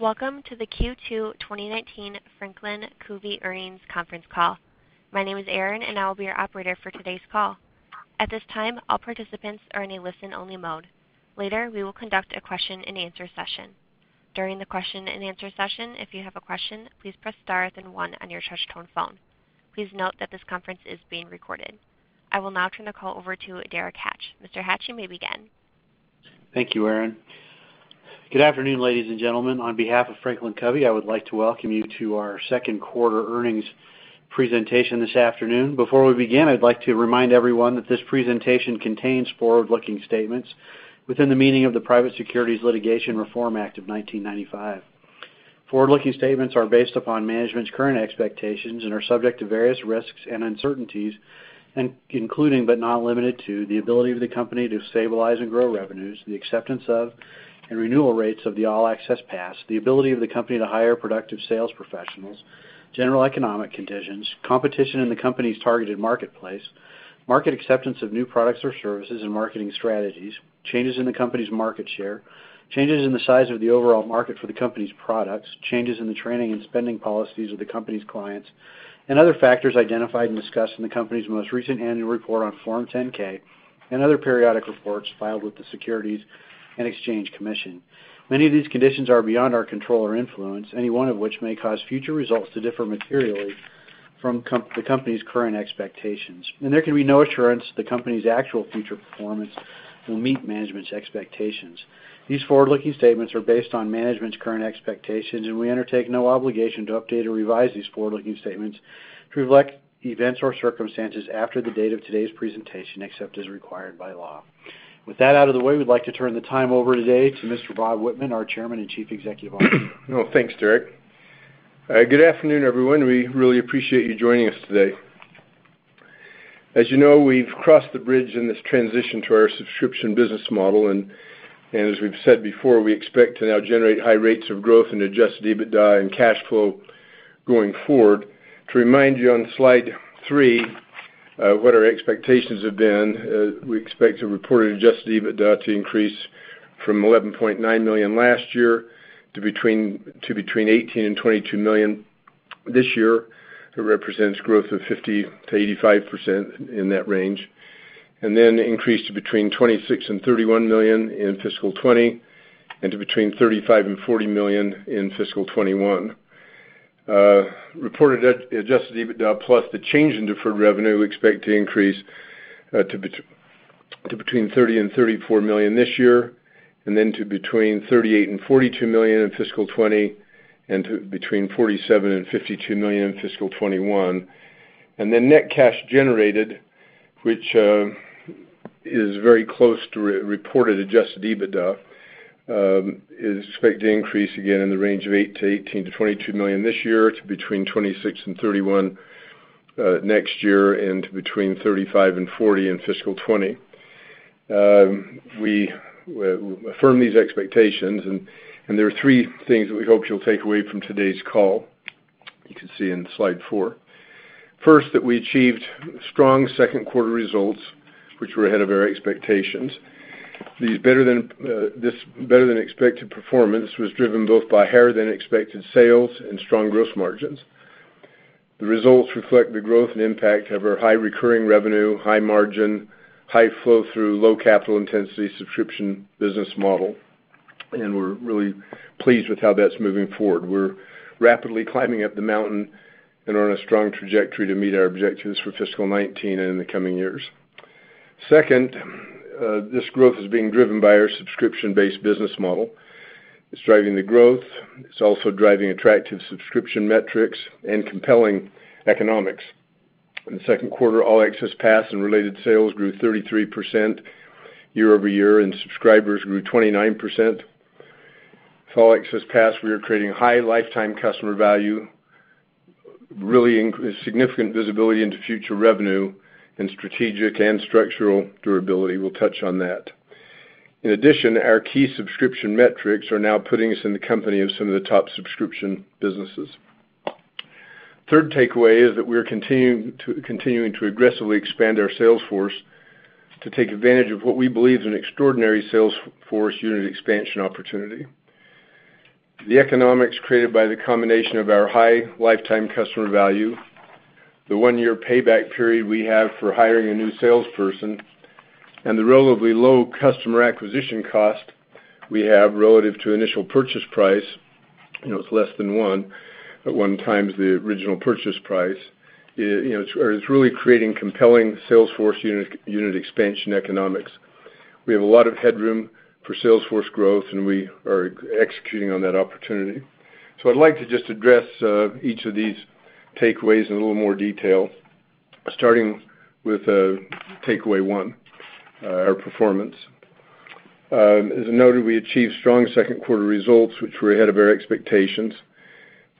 Welcome to the Q2 2019 Franklin Covey earnings conference call. My name is Erin, and I will be your operator for today's call. At this time, all participants are in a listen-only mode. Later, we will conduct a question and answer session. During the question and answer session, if you have a question, please press star then one on your touch tone phone. Please note that this conference is being recorded. I will now turn the call over to Derek Hatch. Mr. Hatch, you may begin. Thank you, Erin. Good afternoon, ladies and gentlemen. On behalf of Franklin Covey, I would like to welcome you to our second quarter earnings presentation this afternoon. Before we begin, I'd like to remind everyone that this presentation contains forward-looking statements within the meaning of the Private Securities Litigation Reform Act of 1995. Forward-looking statements are based upon management's current expectations and are subject to various risks and uncertainties, including, but not limited to, the ability of the company to stabilize and grow revenues, the acceptance of and renewal rates of the All Access Pass, the ability of the company to hire productive sales professionals, general economic conditions, competition in the company's targeted marketplace, market acceptance of new products or services and marketing strategies, changes in the company's market share, changes in the size of the overall market for the company's products, changes in the training and spending policies of the company's clients, and other factors identified and discussed in the company's most recent annual report on Form 10-K and other periodic reports filed with the Securities and Exchange Commission. Many of these conditions are beyond our control or influence, any one of which may cause future results to differ materially from the company's current expectations. There can be no assurance the company's actual future performance will meet management's expectations. These forward-looking statements are based on management's current expectations, we undertake no obligation to update or revise these forward-looking statements to reflect events or circumstances after the date of today's presentation, except as required by law. With that out of the way, we'd like to turn the time over today to Mr. Bob Whitman, our Chairman and Chief Executive Officer. Thanks, Derek. Good afternoon, everyone. We really appreciate you joining us today. As you know, we've crossed the bridge in this transition to our subscription business model. As we've said before, we expect to now generate high rates of growth in adjusted EBITDA and cash flow going forward. To remind you on Slide three what our expectations have been, we expect to report adjusted EBITDA to increase from $11.9 million last year to between $18 million and $22 million this year. It represents growth of 50%-85% in that range. Then increase to between $26 million and $31 million in fiscal 2020, and to between $35 million and $40 million in fiscal 2021. Reported adjusted EBITDA plus the change in deferred revenue, we expect to increase to between $30 million and $34 million this year. Then to between $38 million and $42 million in fiscal 2020, and to between $47 million and $52 million in fiscal 2021. Then net cash generated, which is very close to reported adjusted EBITDA, is expected to increase again in the range of $18 million to $22 million this year, to between $26 million and $31 million next year, and to between $35 million and $40 million in fiscal 2020. We affirm these expectations. There are three things that we hope you'll take away from today's call. You can see in Slide four. First, that we achieved strong second quarter results, which were ahead of our expectations. This better than expected performance was driven both by higher than expected sales and strong gross margins. The results reflect the growth and impact of our high recurring revenue, high margin, high flow through, low capital intensity subscription business model. We're really pleased with how that's moving forward. We're rapidly climbing up the mountain and are on a strong trajectory to meet our objectives for fiscal 2019 and in the coming years. Second, this growth is being driven by our subscription-based business model. It's driving the growth. It's also driving attractive subscription metrics and compelling economics. In the second quarter, All Access Pass and related sales grew 33% year-over-year, and subscribers grew 29%. With All Access Pass, we are creating high lifetime customer value, really significant visibility into future revenue, and strategic and structural durability. We'll touch on that. In addition, our key subscription metrics are now putting us in the company of some of the top subscription businesses. Third takeaway is that we're continuing to aggressively expand our sales force to take advantage of what we believe is an extraordinary sales force unit expansion opportunity. The economics created by the combination of our high lifetime customer value, the one-year payback period we have for hiring a new salesperson, and the relatively low customer acquisition cost we have relative to initial purchase price, it's less than 1 at one times the original purchase price, is really creating compelling sales force unit expansion economics. We have a lot of headroom for sales force growth. We are executing on that opportunity. I'd like to just address each of these takeaways in a little more detail, starting with takeaway one, our performance. As noted, we achieved strong second quarter results, which were ahead of our expectations.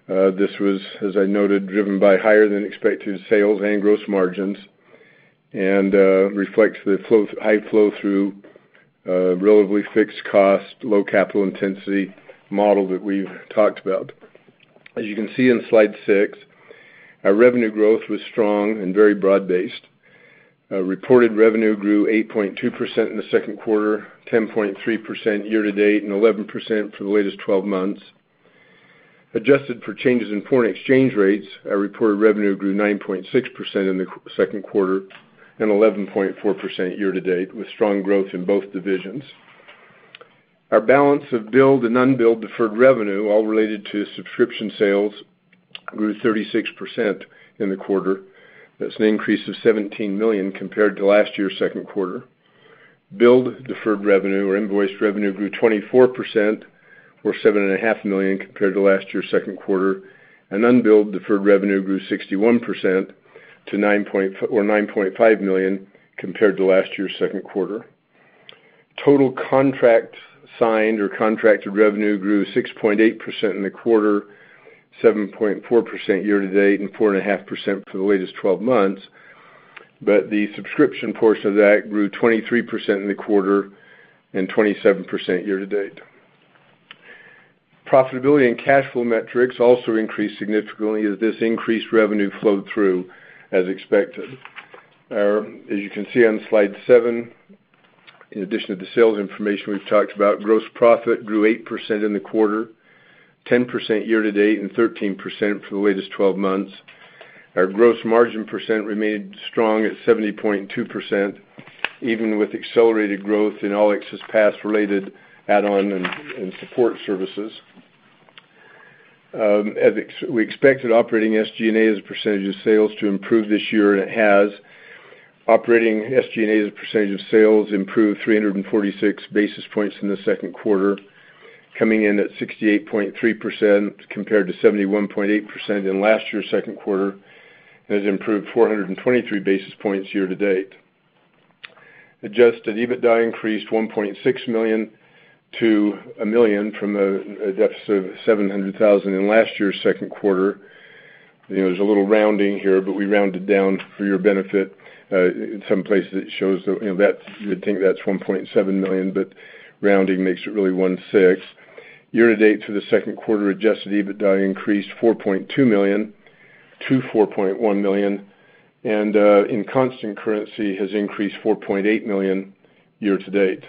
This was, as I noted, driven by higher than expected sales and gross margins and reflects the high flow through relatively fixed cost, low capital intensity model that we've talked about. As you can see in Slide six, our revenue growth was strong and very broad-based. Reported revenue grew 8.2% in the second quarter, 10.3% year-to-date, and 11% for the latest 12 months. Adjusted for changes in foreign exchange rates, our reported revenue grew 9.6% in the second quarter and 11.4% year-to-date, with strong growth in both divisions. Our balance of billed and unbilled deferred revenue, all related to subscription sales, grew 36% in the quarter. That's an increase of $17 million compared to last year's second quarter. Billed deferred revenue or invoiced revenue grew 24%, or seven and a half million compared to last year's second quarter, and unbilled deferred revenue grew 61% to $9.5 million compared to last year's second quarter. Total contracts signed or contracted revenue grew 6.8% in the quarter, 7.4% year-to-date, and 4.5% for the latest 12 months. The subscription portion of that grew 23% in the quarter and 27% year-to-date. Profitability and cash flow metrics also increased significantly as this increased revenue flowed through as expected. As you can see on Slide seven, in addition to the sales information we've talked about, gross profit grew 8% in the quarter, 10% year-to-date, and 13% for the latest 12 months. Our gross margin percent remained strong at 70.2%, even with accelerated growth in All Access Pass-related add-on and support services. We expected operating SG&A as a percentage of sales to improve this year, and it has. Operating SG&A as a percentage of sales improved 346 basis points in the second quarter, coming in at 68.3% compared to 71.8% in last year's second quarter, and has improved 423 basis points year-to-date. Adjusted EBITDA increased $1.6 million to $1 million from a deficit of $700,000 in last year's second quarter. There's a little rounding here, but we rounded down for your benefit. In some places, it shows you would think that's $1.7 million, but rounding makes it really $1.6 million. Year-to-date for the second quarter, adjusted EBITDA increased $4.2 million to $4.1 million, and in constant currency, has increased $4.8 million year-to-date.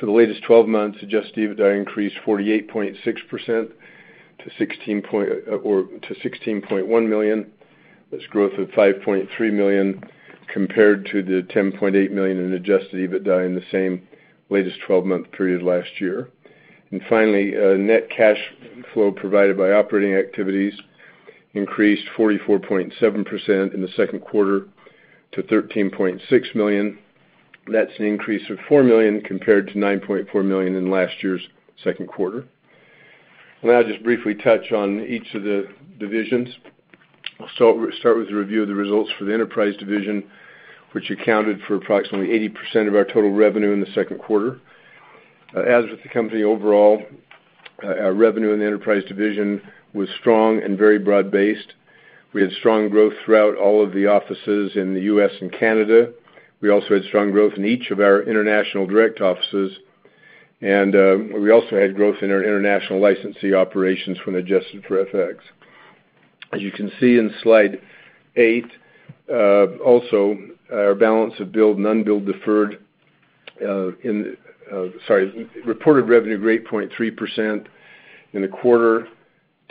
For the latest 12 months, adjusted EBITDA increased 48.6% to $16.1 million. That's growth of $5.3 million compared to the $10.8 million in adjusted EBITDA in the same latest 12-month period last year. Finally, net cash flow provided by operating activities increased 44.7% in the second quarter to $13.6 million. That's an increase of $4 million compared to $9.4 million in last year's second quarter. I'll just briefly touch on each of the divisions. I'll start with a review of the results for the enterprise division, which accounted for approximately 80% of our total revenue in the second quarter. As with the company overall, our revenue in the enterprise division was strong and very broad-based. We had strong growth throughout all of the offices in the U.S. and Canada. We also had strong growth in each of our international direct offices, and we also had growth in our international licensee operations when adjusted for FX. As you can see in slide eight, our balance of billed and unbilled deferred. Reported revenue grew 8.3% in the quarter,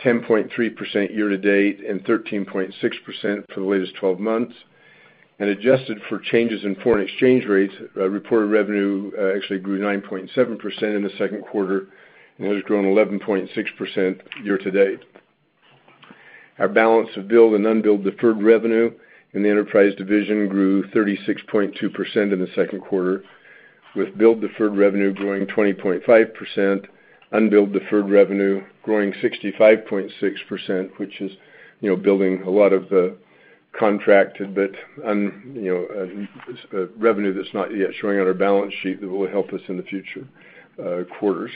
10.3% year-to-date, and 13.6% for the latest 12 months. Adjusted for changes in foreign exchange rates, reported revenue actually grew 9.7% in the second quarter and has grown 11.6% year-to-date. Our balance of billed and unbilled deferred revenue in the enterprise division grew 36.2% in the second quarter with billed deferred revenue growing 20.5%, unbilled deferred revenue growing 65.6%, which is building a lot of the contracted, but revenue that's not yet showing on our balance sheet that will help us in the future quarters.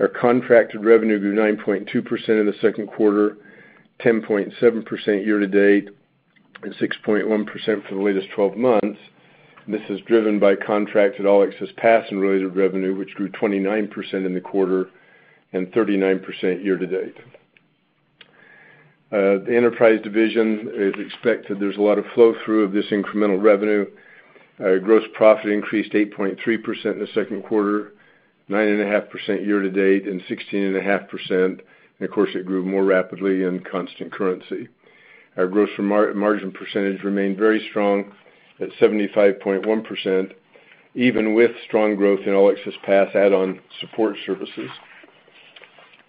Our contracted revenue grew 9.2% in the second quarter, 10.7% year-to-date, and 6.1% for the latest 12 months. This is driven by contracted All Access Pass and related revenue, which grew 29% in the quarter and 39% year-to-date. The enterprise division, as expected, there's a lot of flow-through of this incremental revenue. Gross profit increased 8.3% in the second quarter, 9.5% year-to-date, and 16.5%, and of course, it grew more rapidly in constant currency. Our gross margin percentage remained very strong at 75.1%, even with strong growth in All Access Pass add-on support services.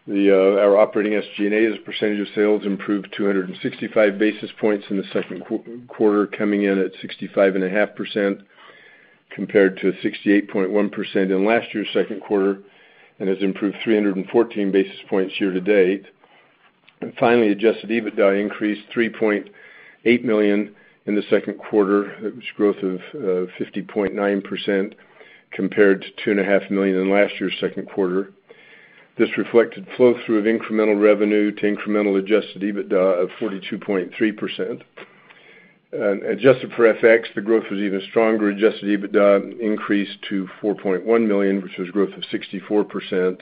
Our operating SG&A as a percentage of sales improved 265 basis points in the second quarter, coming in at 65.5% compared to 68.1% in last year's second quarter and has improved 314 basis points year-to-date. Finally, adjusted EBITDA increased $3.8 million in the second quarter. That was growth of 50.9% compared to $2.5 million in last year's second quarter. This reflected flow-through of incremental revenue to incremental adjusted EBITDA of 42.3%. Adjusted for FX, the growth was even stronger. Adjusted EBITDA increased to $4.1 million, which was growth of 64%.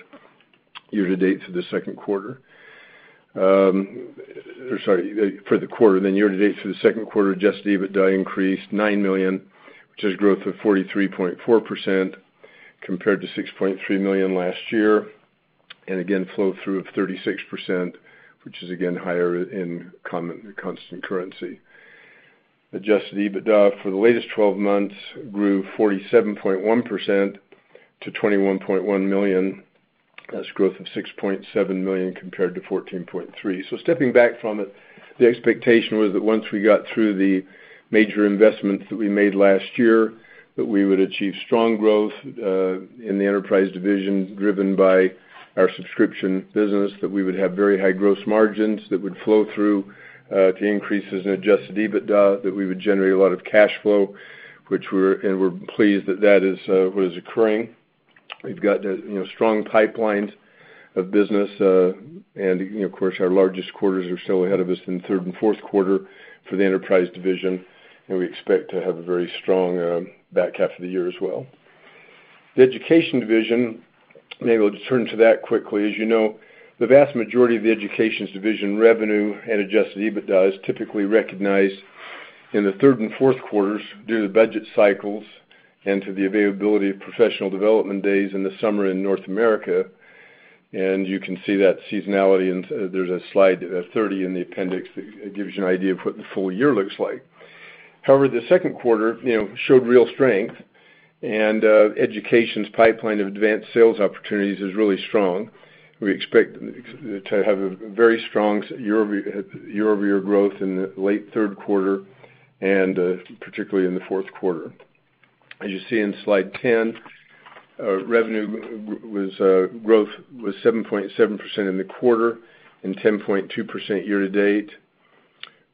Year-to-date for the second quarter. Sorry, for the quarter. Year-to-date for the second quarter, adjusted EBITDA increased $9 million, which is growth of 43.4%, compared to $6.3 million last year. Again, flow through of 36%, which is again higher in constant currency. Adjusted EBITDA for the latest 12 months grew 47.1% to $21.1 million. That's growth of $6.7 million compared to $14.3 million. Stepping back from it, the expectation was that once we got through the major investments that we made last year, that we would achieve strong growth, in the enterprise division driven by our subscription business, that we would have very high gross margins that would flow through, to increases in adjusted EBITDA, that we would generate a lot of cash flow, and we're pleased that that was occurring. We've got a strong pipeline of business, of course, our largest quarters are still ahead of us in the third and fourth quarter for the enterprise division, and we expect to have a very strong back half of the year as well. The Education division, maybe we'll just turn to that quickly. As you know, the vast majority of the Education division revenue and adjusted EBITDA is typically recognized in the third and fourth quarters due to the budget cycles and to the availability of professional development days in the summer in North America. You can see that seasonality and there's a slide 30 in the appendix that gives you an idea of what the full year looks like. However, the second quarter showed real strength and Education's pipeline of advanced sales opportunities is really strong. We expect to have a very strong year-over-year growth in the late third quarter and particularly in the fourth quarter. As you see in slide 10, revenue growth was 7.7% in the quarter and 10.2% year-to-date.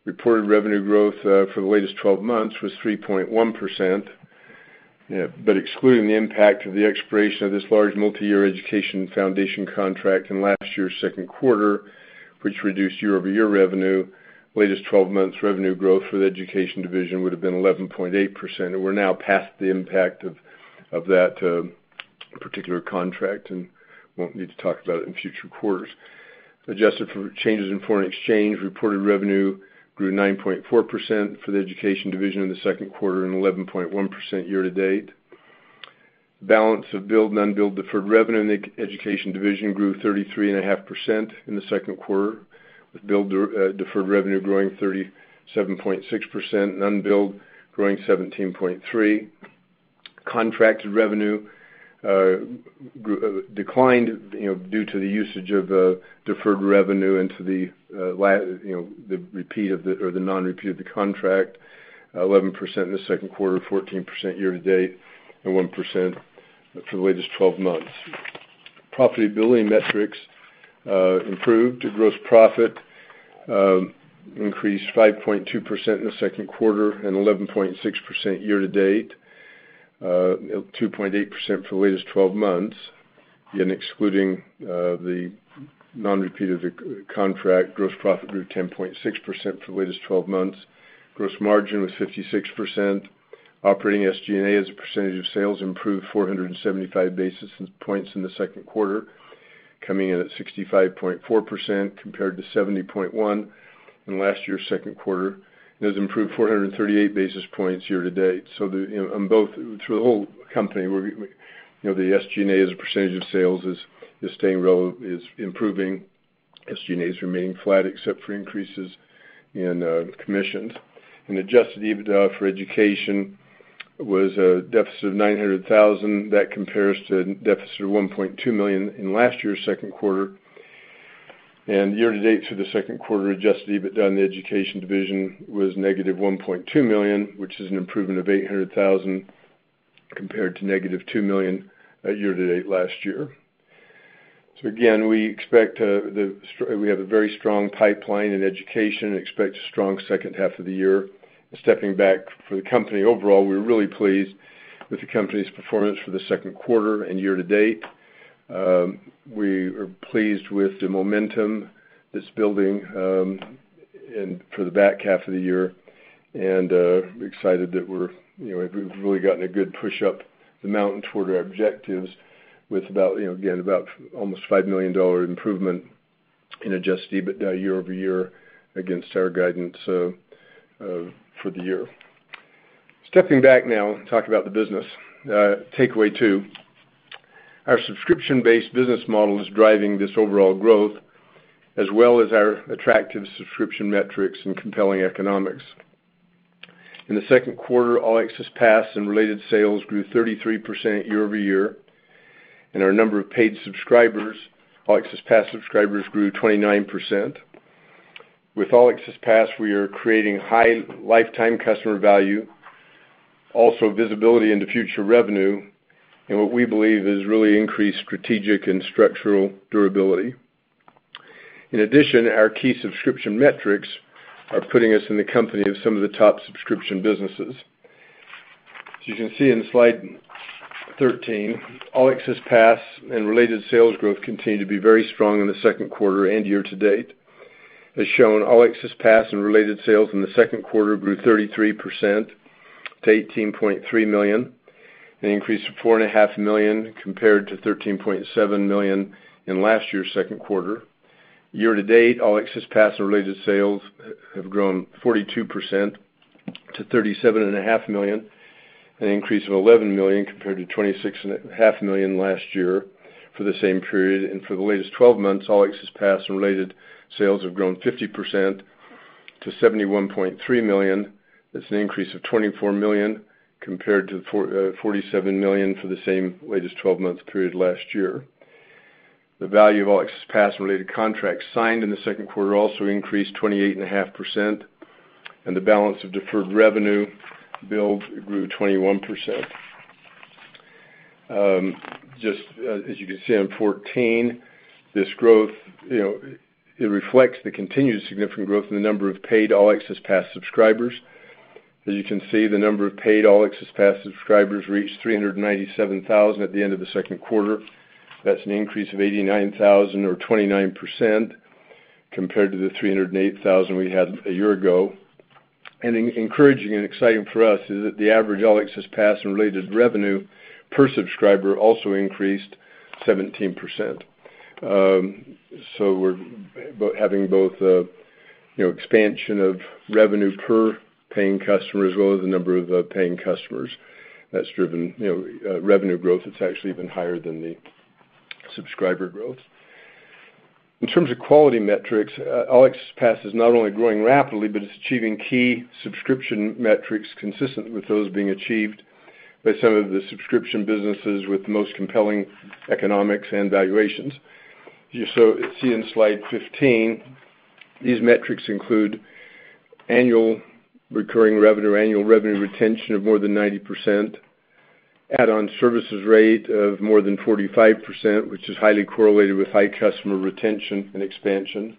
Reported revenue growth for the latest 12 months was 3.1%, but excluding the impact of the expiration of this large multi-year education foundation contract in last year's second quarter, which reduced year-over-year revenue, latest 12 months revenue growth for the education division would've been 11.8%, and we're now past the impact of that particular contract and won't need to talk about it in future quarters. Adjusted for changes in foreign exchange, reported revenue grew 9.4% for the education division in the second quarter and 11.1% year-to-date. Balance of billed and unbilled deferred revenue in the education division grew 33.5% in the second quarter, with billed deferred revenue growing 37.6%, unbilled growing 17.3%. Contracted revenue declined due to the usage of deferred revenue into the non-repeat of the contract, 11% in the second quarter, 14% year-to-date, and 1% for the latest 12 months. Profitability metrics improved. The gross profit increased 5.2% in the second quarter and 11.6% year-to-date, 2.8% for the latest 12 months. Excluding the non-repeat of the contract, gross profit grew 10.6% for the latest 12 months. Gross margin was 56%. Operating SG&A as a percentage of sales improved 475 basis points in the second quarter, coming in at 65.4% compared to 70.1% in last year's second quarter, and has improved 438 basis points year-to-date. Through the whole company, the SG&A as a percentage of sales is improving. SG&A's remaining flat except for increases in commissions. Adjusted EBITDA for education was a deficit of $900,000. That compares to a deficit of $1.2 million in last year's second quarter. Year-to-date through the second quarter, adjusted EBITDA on the education division was negative $1.2 million, which is an improvement of $800,000 compared to negative $2 million year-to-date last year. Again, we have a very strong pipeline in education and expect a strong second half of the year. Stepping back for the company overall, we're really pleased with the company's performance for the second quarter and year-to-date. We are pleased with the momentum that's building for the back half of the year, and we're excited that we've really gotten a good push up the mountain toward our objectives with about, again, about almost a $5 million improvement in adjusted EBITDA year-over-year against our guidance for the year. Stepping back now, talk about the business. Takeaway two, our subscription-based business model is driving this overall growth, as well as our attractive subscription metrics and compelling economics. In the second quarter, All Access Pass and related sales grew 33% year-over-year, and our number of paid subscribers, All Access Pass subscribers, grew 29%. With All Access Pass, we are creating high lifetime customer value, also visibility into future revenue, and what we believe has really increased strategic and structural durability. In addition, our key subscription metrics are putting us in the company of some of the top subscription businesses. As you can see in slide 13, All Access Pass and related sales growth continued to be very strong in the second quarter and year-to-date. As shown, All Access Pass and related sales in the second quarter grew 33% to $18.3 million, an increase of $4.5 million compared to $13.7 million in last year's second quarter. Year-to-date, All Access Pass and related sales have grown 42% to $37.5 million, an increase of $11 million compared to $26.5 million last year for the same period. For the latest 12 months, All Access Pass and related sales have grown 50% to $71.3 million. That's an increase of $24 million compared to $47 million for the same latest 12-month period last year. The value of All Access Pass and related contracts signed in the second quarter also increased 28.5%, and the balance of deferred revenue billed grew 21%. Just as you can see on 14, this growth reflects the continued significant growth in the number of paid All Access Pass subscribers. As you can see, the number of paid All Access Pass subscribers reached 397,000 at the end of the second quarter. That's an increase of 89,000 or 29% compared to the 308,000 we had a year ago. Encouraging and exciting for us is that the average All Access Pass and related revenue per subscriber also increased 17%. We're having both expansion of revenue per paying customer as well as the number of paying customers. That's driven revenue growth. It's actually even higher than the subscriber growth. In terms of quality metrics, All Access Pass is not only growing rapidly, but it's achieving key subscription metrics consistent with those being achieved by some of the subscription businesses with the most compelling economics and valuations. You see on slide 15, these metrics include annual recurring revenue, annual revenue retention of more than 90%, add-on services rate of more than 45%, which is highly correlated with high customer retention and expansion,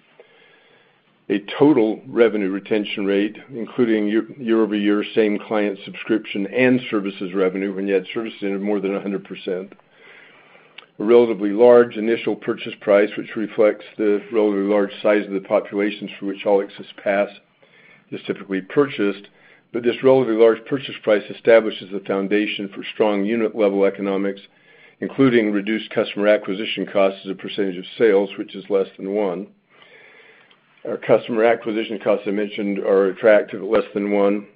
a total revenue retention rate, including year-over-year same client subscription and services revenue when you add services in at more than 100%. A relatively large initial purchase price, which reflects the relatively large size of the populations for which All Access Pass is typically purchased. This relatively large purchase price establishes the foundation for strong unit level economics, including reduced customer acquisition costs as a percentage of sales, which is less than one. Our customer acquisition costs I mentioned are attractive at less than one,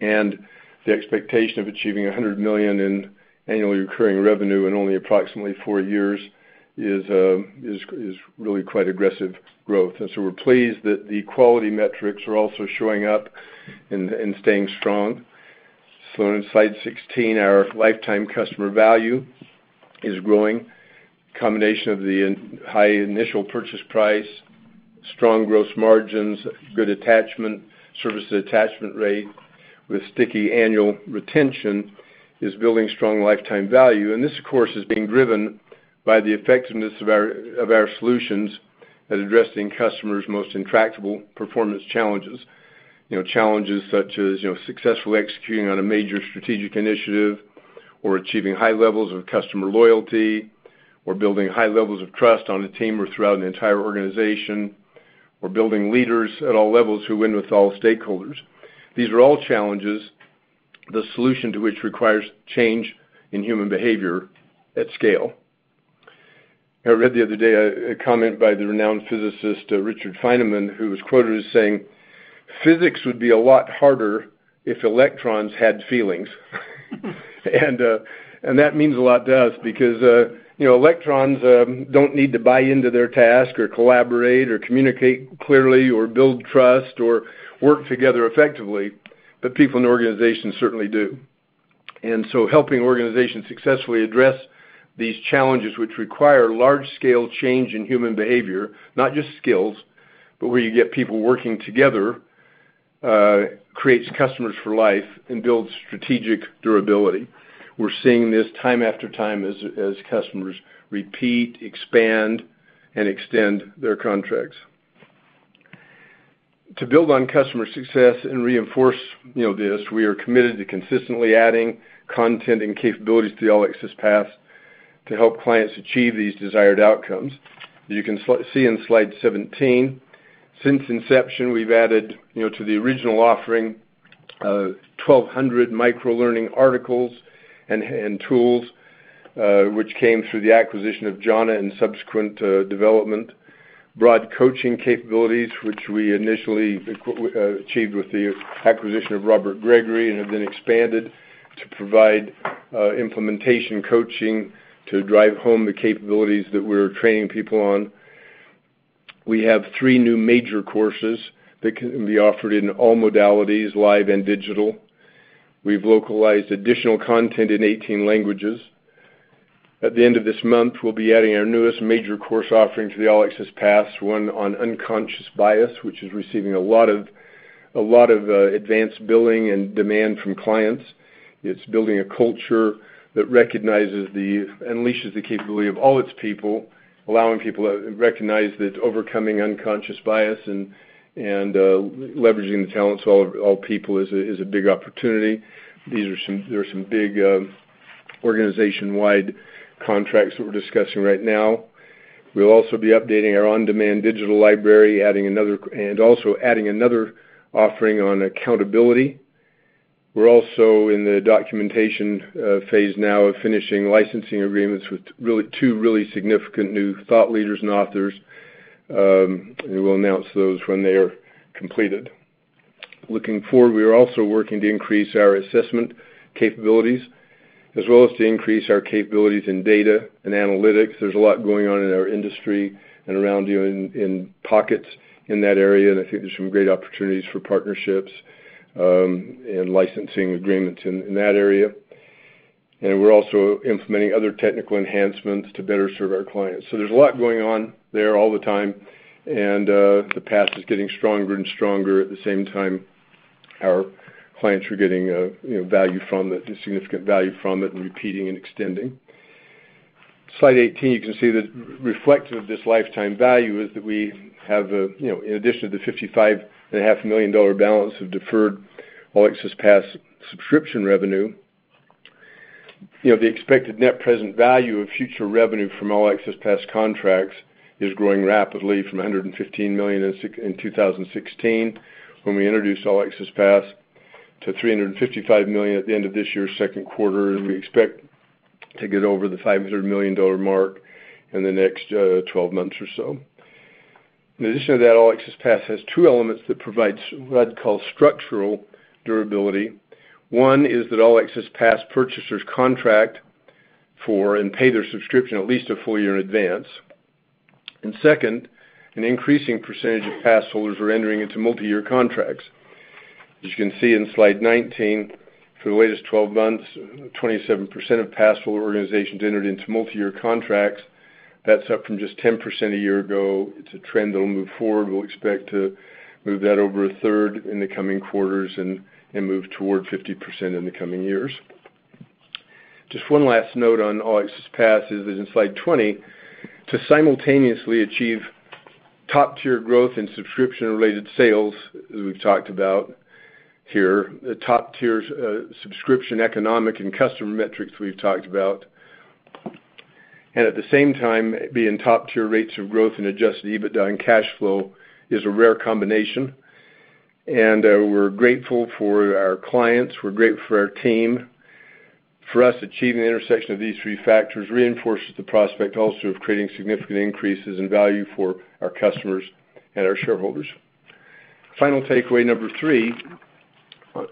and the expectation of achieving $100 million in annually recurring revenue in only approximately four years is really quite aggressive growth. We're pleased that the quality metrics are also showing up and staying strong. As shown on slide 16, our lifetime customer value is growing. Combination of the high initial purchase price, strong gross margins, good attachment, service attachment rate with sticky annual retention is building strong lifetime value. This, of course, is being driven by the effectiveness of our solutions at addressing customers' most intractable performance challenges. Challenges such as successfully executing on a major strategic initiative or achieving high levels of customer loyalty or building high levels of trust on a team or throughout an entire organization or building leaders at all levels who win with all stakeholders. These are all challenges, the solution to which requires change in human behavior at scale. I read the other day a comment by the renowned physicist, Richard Feynman, who was quoted as saying, "Physics would be a lot harder if electrons had feelings." That means a lot to us because electrons don't need to buy into their task or collaborate or communicate clearly or build trust or work together effectively, but people in organizations certainly do. Helping organizations successfully address these challenges, which require large-scale change in human behavior, not just skills, but where you get people working together creates customers for life and builds strategic durability. We're seeing this time after time as customers repeat, expand, and extend their contracts. To build on customer success and reinforce this, we are committed to consistently adding content and capabilities to the All Access Pass to help clients achieve these desired outcomes. As you can see in slide 17, since inception, we've added to the original offering, 1,200 micro-learning articles and tools, which came through the acquisition of Jhana and subsequent development. Broad coaching capabilities, which we initially achieved with the acquisition of Robert Gregory and have been expanded to provide implementation coaching to drive home the capabilities that we're training people on. We have three new major courses that can be offered in all modalities, live and digital. We've localized additional content in 18 languages. At the end of this month, we'll be adding our newest major course offering to the All Access Pass, one on unconscious bias, which is receiving a lot of advanced billing and demand from clients. It's building a culture that recognizes the unleashes the capability of all its people, allowing people to recognize that overcoming unconscious bias and leveraging the talents of all people is a big opportunity. There are some big organization-wide contracts that we're discussing right now. We'll also be updating our on-demand digital library, and also adding another offering on accountability. We're also in the documentation phase now of finishing licensing agreements with two really significant new thought leaders and authors, and we'll announce those when they are completed. Looking forward, we are also working to increase our assessment capabilities, as well as to increase our capabilities in data and analytics. There's a lot going on in our industry and around, in pockets in that area, and I think there's some great opportunities for partnerships and licensing agreements in that area. We're also implementing other technical enhancements to better serve our clients. There's a lot going on there all the time, the path is getting stronger and stronger. At the same time, our clients are getting significant value from it and repeating and extending. Slide 18, you can see that reflective of this lifetime value is that we have, in addition to the $55.5 million balance of deferred All Access Pass subscription revenue, the expected net present value of future revenue from All Access Pass contracts is growing rapidly from $115 million in 2016, when we introduced All Access Pass, to $355 million at the end of this year's second quarter. We expect to get over the $500 million mark in the next 12 months or so. In addition to that, All Access Pass has two elements that provides what I'd call structural durability. One is that All Access Pass purchasers contract for and pay their subscription at least a full year in advance. Second, an increasing percentage of pass holders are entering into multi-year contracts. As you can see in Slide 19, for the latest 12 months, 27% of pass holder organizations entered into multi-year contracts. That's up from just 10% a year ago. It's a trend that'll move forward. We'll expect to move that over a third in the coming quarters and move toward 50% in the coming years. Just one last note on All Access Pass is in Slide 20. To simultaneously achieve top-tier growth in subscription-related sales, as we've talked about here, the top-tier subscription economic and customer metrics we've talked about, at the same time, being top-tier rates of growth in adjusted EBITDA and cash flow is a rare combination. We're grateful for our clients, we're grateful for our team. For us, achieving the intersection of these three factors reinforces the prospect also of creating significant increases in value for our customers and our shareholders. Final takeaway number three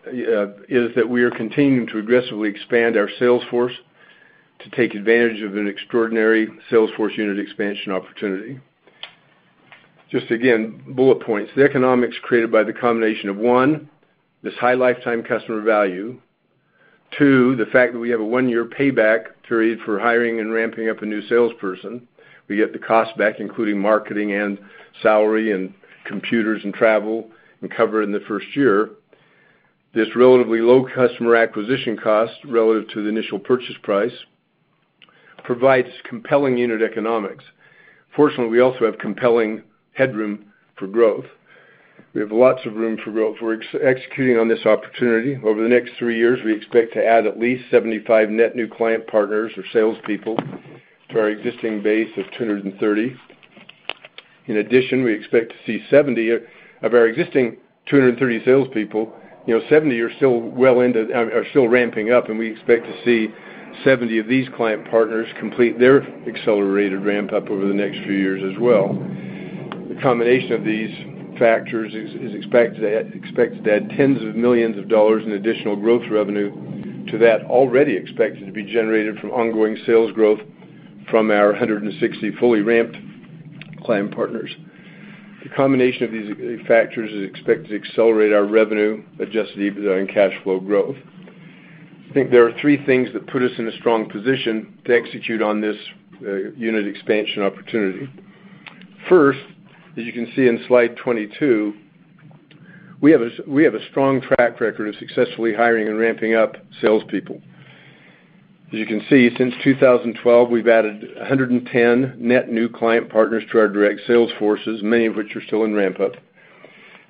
is that we are continuing to aggressively expand our sales force to take advantage of an extraordinary sales force unit expansion opportunity. Just again, bullet points. The economics created by the combination of, one, this high lifetime customer value, two, the fact that we have a one-year payback period for hiring and ramping up a new salesperson. We get the cost back, including marketing and salary and computers and travel, and cover it in the first year. This relatively low customer acquisition cost, relative to the initial purchase price, provides compelling unit economics. Fortunately, we also have compelling headroom for growth. We have lots of room for growth. We're executing on this opportunity. Over the next three years, we expect to add at least 75 net new client partners or salespeople to our existing base of 230. In addition, we expect to see 70 of our existing 230 salespeople, 70 are still ramping up, and we expect to see 70 of these client partners complete their accelerated ramp-up over the next few years as well. The combination of these factors is expected to add tens of millions of dollars in additional growth revenue to that already expected to be generated from ongoing sales growth from our 160 fully ramped client partners. The combination of these factors is expected to accelerate our revenue, adjusted EBITDA, and cash flow growth. I think there are three things that put us in a strong position to execute on this unit expansion opportunity. First, as you can see in Slide 22, we have a strong track record of successfully hiring and ramping up salespeople. As you can see, since 2012, we've added 110 net new client partners to our direct sales forces, many of which are still in ramp-up.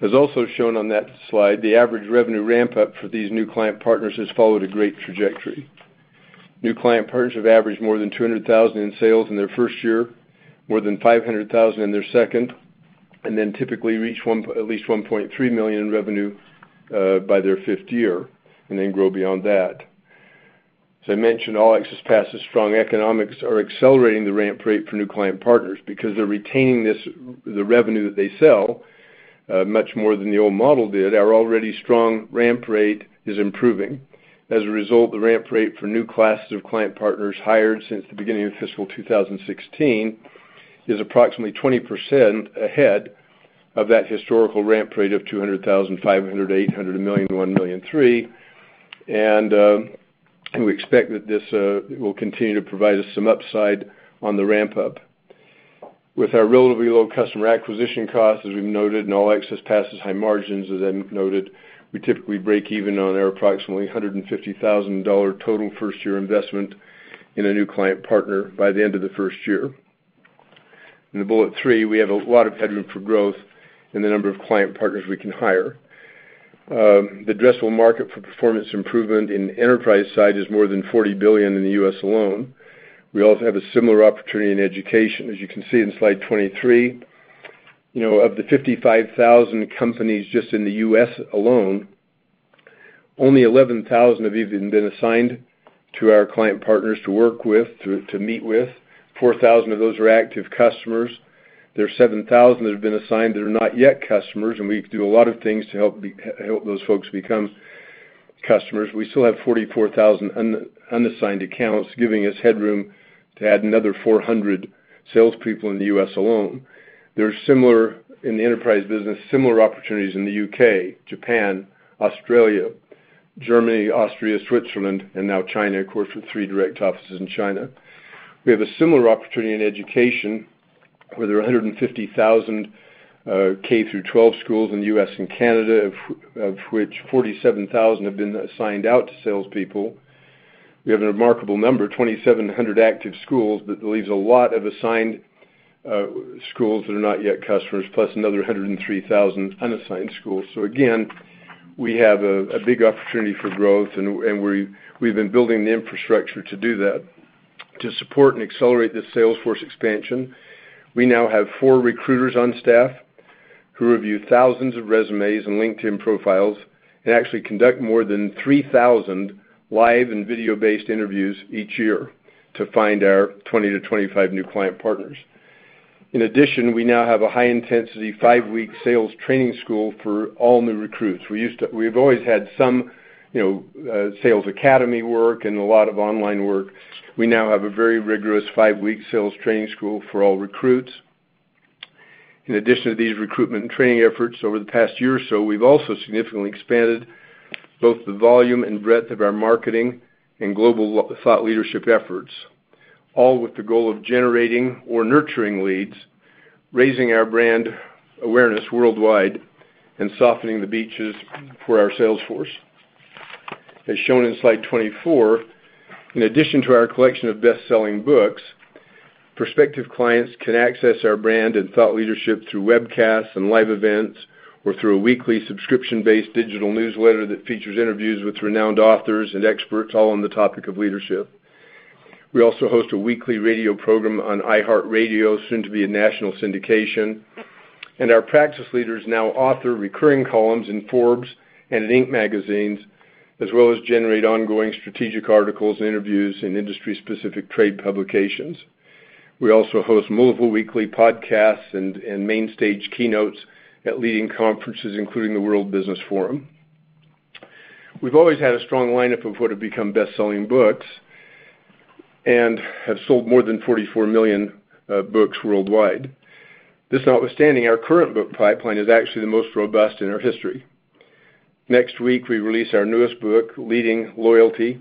As also shown on that slide, the average revenue ramp-up for these new client partners has followed a great trajectory. New client partners have averaged more than 200,000 in sales in their first year, more than 500,000 in their second, and then typically reach at least 1.3 million in revenue by their fifth year, and then grow beyond that. As I mentioned, All Access Pass' strong economics are accelerating the ramp rate for new client partners. Because they're retaining the revenue that they sell, much more than the old model did, our already strong ramp rate is improving. As a result, the ramp rate for new classes of client partners hired since the beginning of fiscal 2016 is approximately 20% ahead of that historical ramp rate of $200,000, $500, $800, $1 million, $1.3 million. We expect that this will continue to provide us some upside on the ramp-up. With our relatively low customer acquisition cost, as we've noted, and All Access Pass' high margins, as I noted, we typically break even on our approximately $150,000 total first-year investment in a new client partner by the end of the first year. In the bullet three, we have a lot of headroom for growth in the number of client partners we can hire. The addressable market for performance improvement in the enterprise side is more than $40 billion in the U.S. alone. We also have a similar opportunity in education, as you can see in slide 23. Of the 55,000 companies just in the U.S. alone, only 11,000 have even been assigned to our client partners to work with, to meet with. 4,000 of those are active customers. There are 7,000 that have been assigned that are not yet customers, and we do a lot of things to help those folks become customers. We still have 44,000 unassigned accounts giving us headroom to add another 400 salespeople in the U.S. alone. There are similar, in the enterprise business, similar opportunities in the U.K., Japan, Australia, Germany, Austria, Switzerland, and now China, of course, with three direct offices in China. We have a similar opportunity in education, where there are 150,000 K through 12 schools in the U.S. and Canada, of which 47,000 have been assigned out to salespeople. We have a remarkable number, 2,700 active schools. That leaves a lot of assigned schools that are not yet customers, plus another 103,000 unassigned schools. Again, we have a big opportunity for growth, and we've been building the infrastructure to do that. To support and accelerate this sales force expansion, we now have four recruiters on staff who review thousands of resumes and LinkedIn profiles and actually conduct more than 3,000 live and video-based interviews each year to find our 20 to 25 new client partners. In addition, we now have a high-intensity, five-week sales training school for all new recruits. We've always had some sales academy work and a lot of online work. We now have a very rigorous five-week sales training school for all recruits. In addition to these recruitment and training efforts over the past year or so, we've also significantly expanded both the volume and breadth of our marketing and global thought leadership efforts, all with the goal of generating or nurturing leads, raising our brand awareness worldwide, and softening the beaches for our sales force. As shown in slide 24, in addition to our collection of best-selling books, prospective clients can access our brand and thought leadership through webcasts and live events or through a weekly subscription-based digital newsletter that features interviews with renowned authors and experts all on the topic of leadership. We also host a weekly radio program on iHeartRadio, soon to be in national syndication. Our practice leaders now author recurring columns in Forbes and in Inc. magazines, as well as generate ongoing strategic articles and interviews in industry-specific trade publications. We also host multiple weekly podcasts and main stage keynotes at leading conferences, including the World Business Forum. We've always had a strong lineup of what have become best-selling books and have sold more than 44 million books worldwide. This notwithstanding, our current book pipeline is actually the most robust in our history. Next week, we release our newest book, "Leading Loyalty: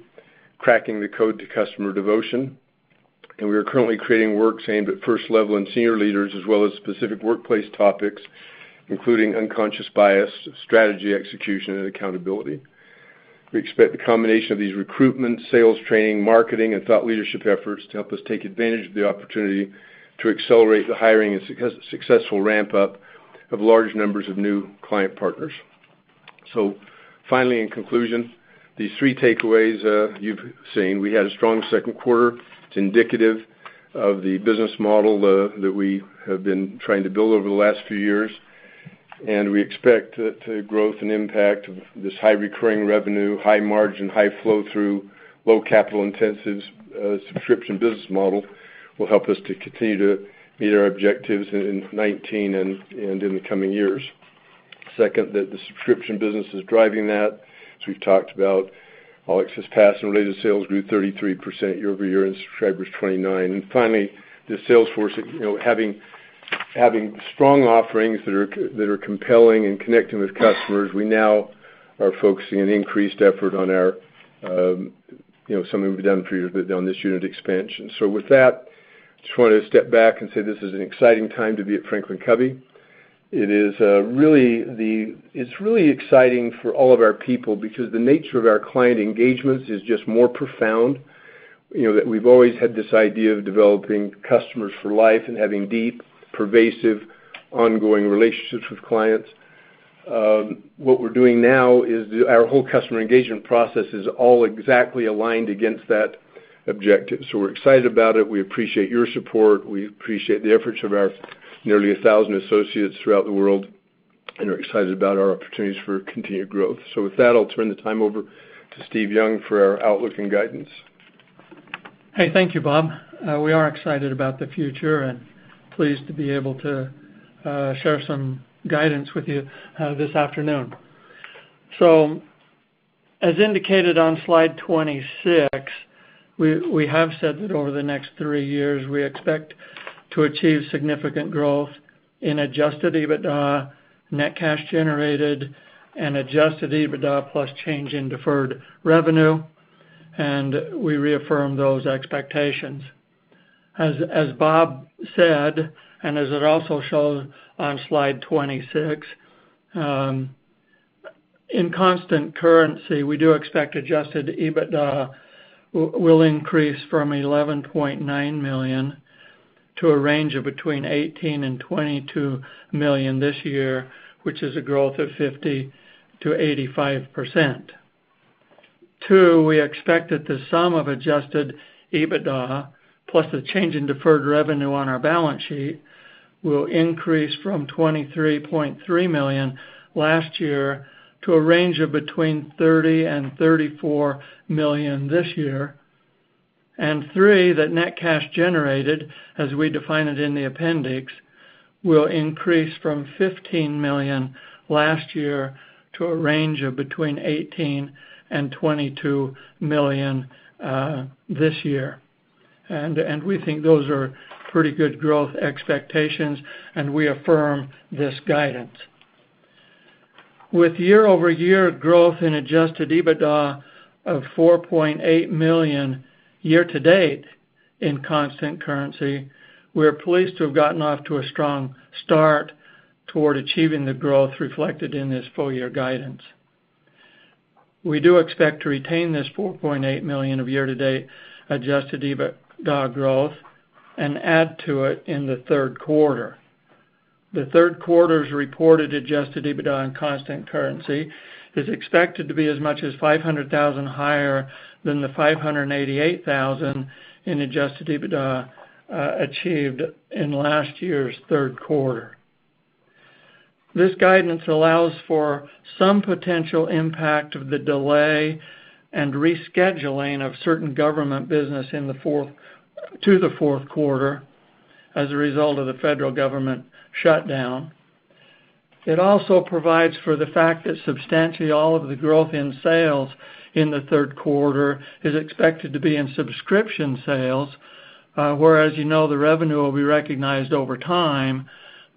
Cracking the Code to Customer Devotion," and we are currently creating works aimed at first-level and senior leaders, as well as specific workplace topics, including unconscious bias, strategy execution, and accountability. We expect the combination of these recruitment, sales training, marketing, and thought leadership efforts to help us take advantage of the opportunity to accelerate the hiring and successful ramp-up of large numbers of new client partners. Finally, in conclusion, these three takeaways you've seen. We had a strong second quarter. It's indicative of the business model that we have been trying to build over the last few years, and we expect the growth and impact of this high-recurring revenue, high margin, high flow through, low capital intensives subscription business model will help us to continue to meet our objectives in 2019 and in the coming years. Second, that the subscription business is driving that. As we've talked about, All Access Pass and related sales grew 33% year-over-year, and subscribers 29. Finally, the sales force having strong offerings that are compelling and connecting with customers. We now are focusing an increased effort on something we've done for years, but on this unit expansion. With that, just wanted to step back and say this is an exciting time to be at Franklin Covey. It's really exciting for all of our people because the nature of our client engagements is just more profound. We've always had this idea of developing customers for life and having deep, pervasive, ongoing relationships with clients. What we're doing now is our whole customer engagement process is all exactly aligned against that objective. We're excited about it. We appreciate your support. We appreciate the efforts of our nearly 1,000 associates throughout the world, and are excited about our opportunities for continued growth. With that, I'll turn the time over to Steve Young for our outlook and guidance. Hey, thank you, Bob. We are excited about the future and pleased to be able to share some guidance with you this afternoon. As indicated on slide 26, we have said that over the next three years, we expect to achieve significant growth in adjusted EBITDA, net cash generated, and adjusted EBITDA plus change in deferred revenue, and we reaffirm those expectations. As Bob said, and as it also shows on slide 26, in constant currency, we do expect adjusted EBITDA will increase from $11.9 million to a range of between $18 million and $22 million this year, which is a growth of 50%-85%. Two, we expect that the sum of adjusted EBITDA, plus the change in deferred revenue on our balance sheet, will increase from $23.3 million last year to a range of between $30 million and $34 million this year. Three, that net cash generated, as we define it in the appendix, will increase from $15 million last year to a range of between $18 million and $22 million this year. We think those are pretty good growth expectations, and we affirm this guidance. With year-over-year growth in adjusted EBITDA of $4.8 million year to date in constant currency, we're pleased to have gotten off to a strong start toward achieving the growth reflected in this full-year guidance. We do expect to retain this $4.8 million of year-to-date adjusted EBITDA growth and add to it in the third quarter. The third quarter's reported adjusted EBITDA in constant currency is expected to be as much as $500,000 higher than the $588,000 in adjusted EBITDA achieved in last year's third quarter. This guidance allows for some potential impact of the delay and rescheduling of certain government business to the fourth quarter as a result of the federal government shutdown. It also provides for the fact that substantially all of the growth in sales in the third quarter is expected to be in subscription sales, where, as you know, the revenue will be recognized over time,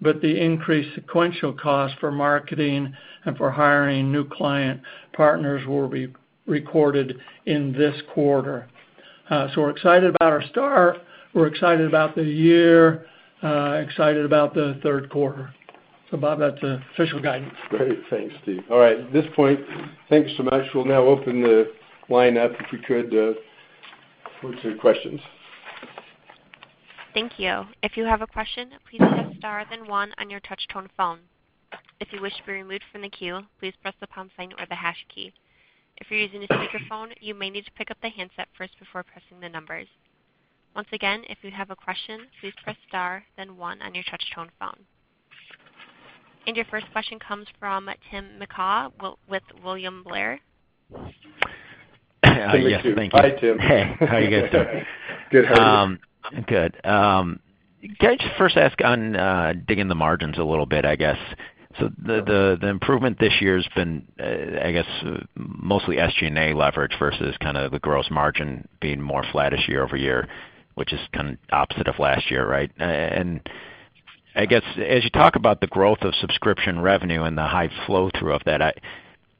but the increased sequential cost for marketing and for hiring new client partners will be recorded in this quarter. We're excited about our start, we're excited about the year, excited about the third quarter. Bob, that's the official guidance. Great. Thanks, Steve. All right. At this point, thanks so much. We'll now open the line up, if we could, for some questions. Thank you. If you have a question, please press star then one on your touch-tone phone. If you wish to be removed from the queue, please press the pound sign or the hash key. If you're using a speakerphone, you may need to pick up the handset first before pressing the numbers. Once again, if you have a question, please press star then one on your touch-tone phone. Your first question comes from Tim McHugh with William Blair. Tim, it's you. Hi, Tim. Hey. How are you guys doing? Good. How are you? Good. Can I just first ask on digging the margins a little bit, I guess. The improvement this year has been, I guess, mostly SG&A leverage versus the gross margin being more flat-ish year-over-year, which is kind of opposite of last year, right? I guess, as you talk about the growth of subscription revenue and the high flow-through of that, I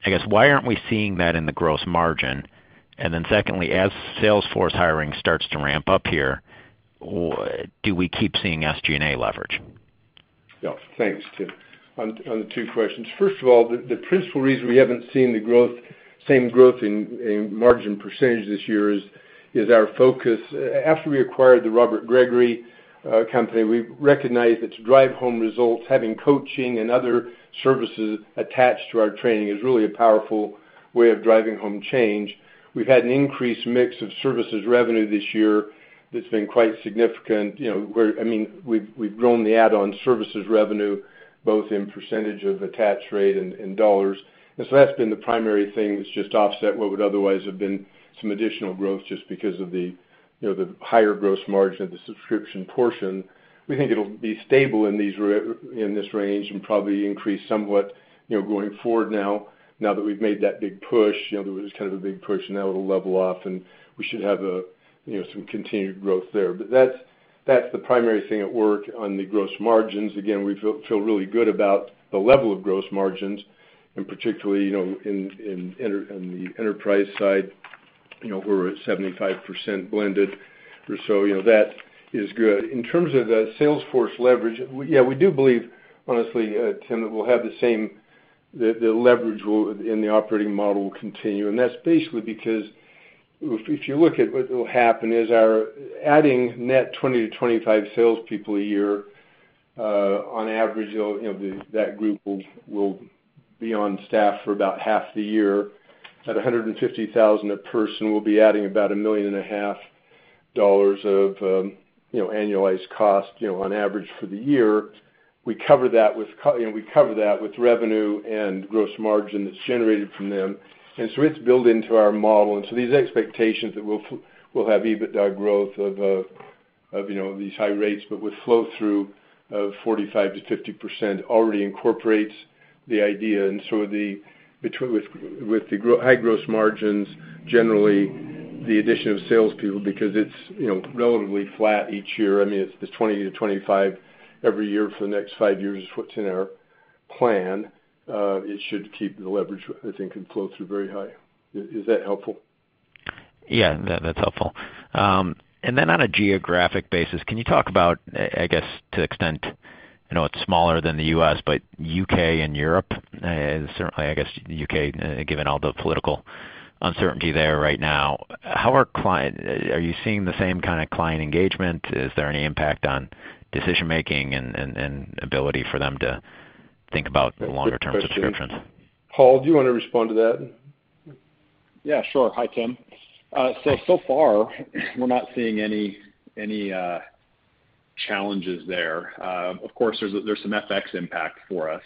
guess, why aren't we seeing that in the gross margin? Secondly, as sales force hiring starts to ramp up here, do we keep seeing SG&A leverage? Yeah. Thanks, Tim. On the two questions. First of all, the principal reason we haven't seen the same growth in margin percentage this year is our focus. After we acquired the Robert Gregory Partners, we recognized that to drive home results, having coaching and other services attached to our training is really a powerful way of driving home change. We've had an increased mix of services revenue this year that's been quite significant. We've grown the add-on services revenue, both in percentage of attached rate and dollars. That's been the primary thing that's just offset what would otherwise have been some additional growth just because of the higher gross margin of the subscription portion. We think it'll be stable in this range and probably increase somewhat going forward now that we've made that big push. There was kind of a big push, and that will level off, and we should have some continued growth there. That's the primary thing at work on the gross margins. Again, we feel really good about the level of gross margins, and particularly, in the enterprise side, we're at 75% blended or so. That is good. In terms of the sales force leverage, yeah, we do believe, honestly, Tim, that we'll have the same leverage in the operating model will continue, and that's basically because if you look at what will happen is our adding net 20 to 25 salespeople a year. On average, that group will be on staff for about half the year. At $150,000 a person, we'll be adding about a million and a half dollars of annualized cost on average for the year. We cover that with revenue and gross margin that's generated from them. It's built into our model. These expectations that we'll have EBITDA growth of these high rates, but with flow-through of 45%-50% already incorporates the idea. With the high gross margins, generally, the addition of salespeople, because it's relatively flat each year, it's 20 to 25 every year for the next five years is what's in our plan. It should keep the leverage, I think, and flow through very high. Is that helpful? Yeah, that's helpful. On a geographic basis, can you talk about, I guess, to the extent, I know it's smaller than the U.S., but U.K. and Europe? Certainly, I guess U.K., given all the political uncertainty there right now, are you seeing the same kind of client engagement? Is there any impact on decision-making and ability for them to think about longer-term subscriptions? Good question. Paul, do you want to respond to that? Yeah, sure. Hi, Tim. Far, we're not seeing any challenges there. Of course, there's some FX impact for us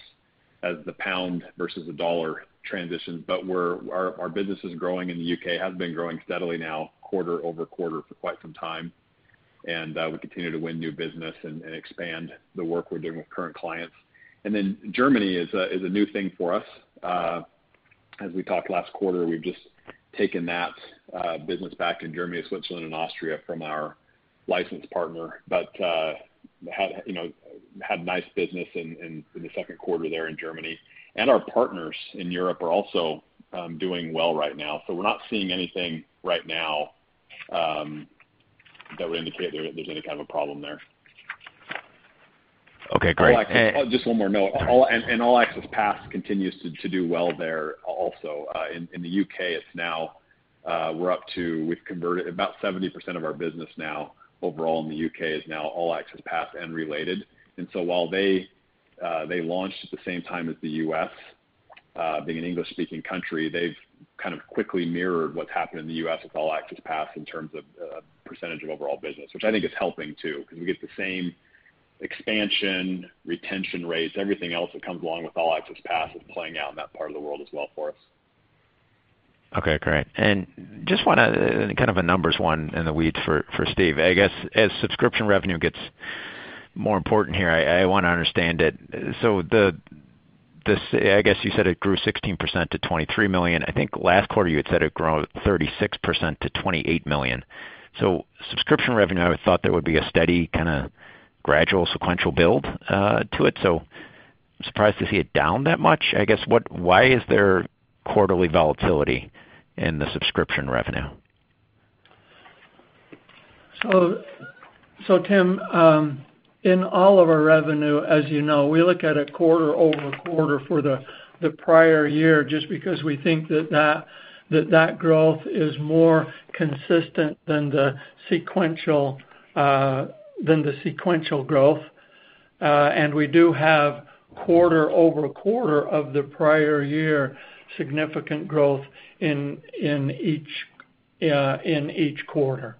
as the pound versus the dollar transitions, but our business is growing in the U.K., has been growing steadily now quarter-over-quarter for quite some time. We continue to win new business and expand the work we're doing with current clients. Germany is a new thing for us. As we talked last quarter, we've just taken that business back in Germany, Switzerland, and Austria from our licensed partner. Had nice business in the second quarter there in Germany. Our partners in Europe are also doing well right now. We're not seeing anything right now that would indicate there's any kind of a problem there. Okay, great. Just one more note. All Access Pass continues to do well there also. In the U.K., we've converted about 70% of our business now overall in the U.K. is now All Access Pass and related. While they launched at the same time as the U.S., being an English-speaking country, they've kind of quickly mirrored what's happened in the U.S. with All Access Pass in terms of percentage of overall business. Which I think is helping too, because we get the same expansion, retention rates, everything else that comes along with All Access Pass is playing out in that part of the world as well for us. Okay, great. Just want to, kind of a numbers one in the weeds for Steve. I guess as subscription revenue gets more important here, I want to understand it. I guess you said it grew 16% to $23 million. I think last quarter you had said it grew 36% to $28 million. Subscription revenue, I thought there would be a steady kind of gradual sequential build to it. Surprised to see it down that much. I guess, why is there quarterly volatility in the subscription revenue? Tim, in all of our revenue, as you know, we look at it quarter-over-quarter for the prior year, just because we think that growth is more consistent than the sequential growth. We do have quarter-over-quarter of the prior year significant growth in each quarter.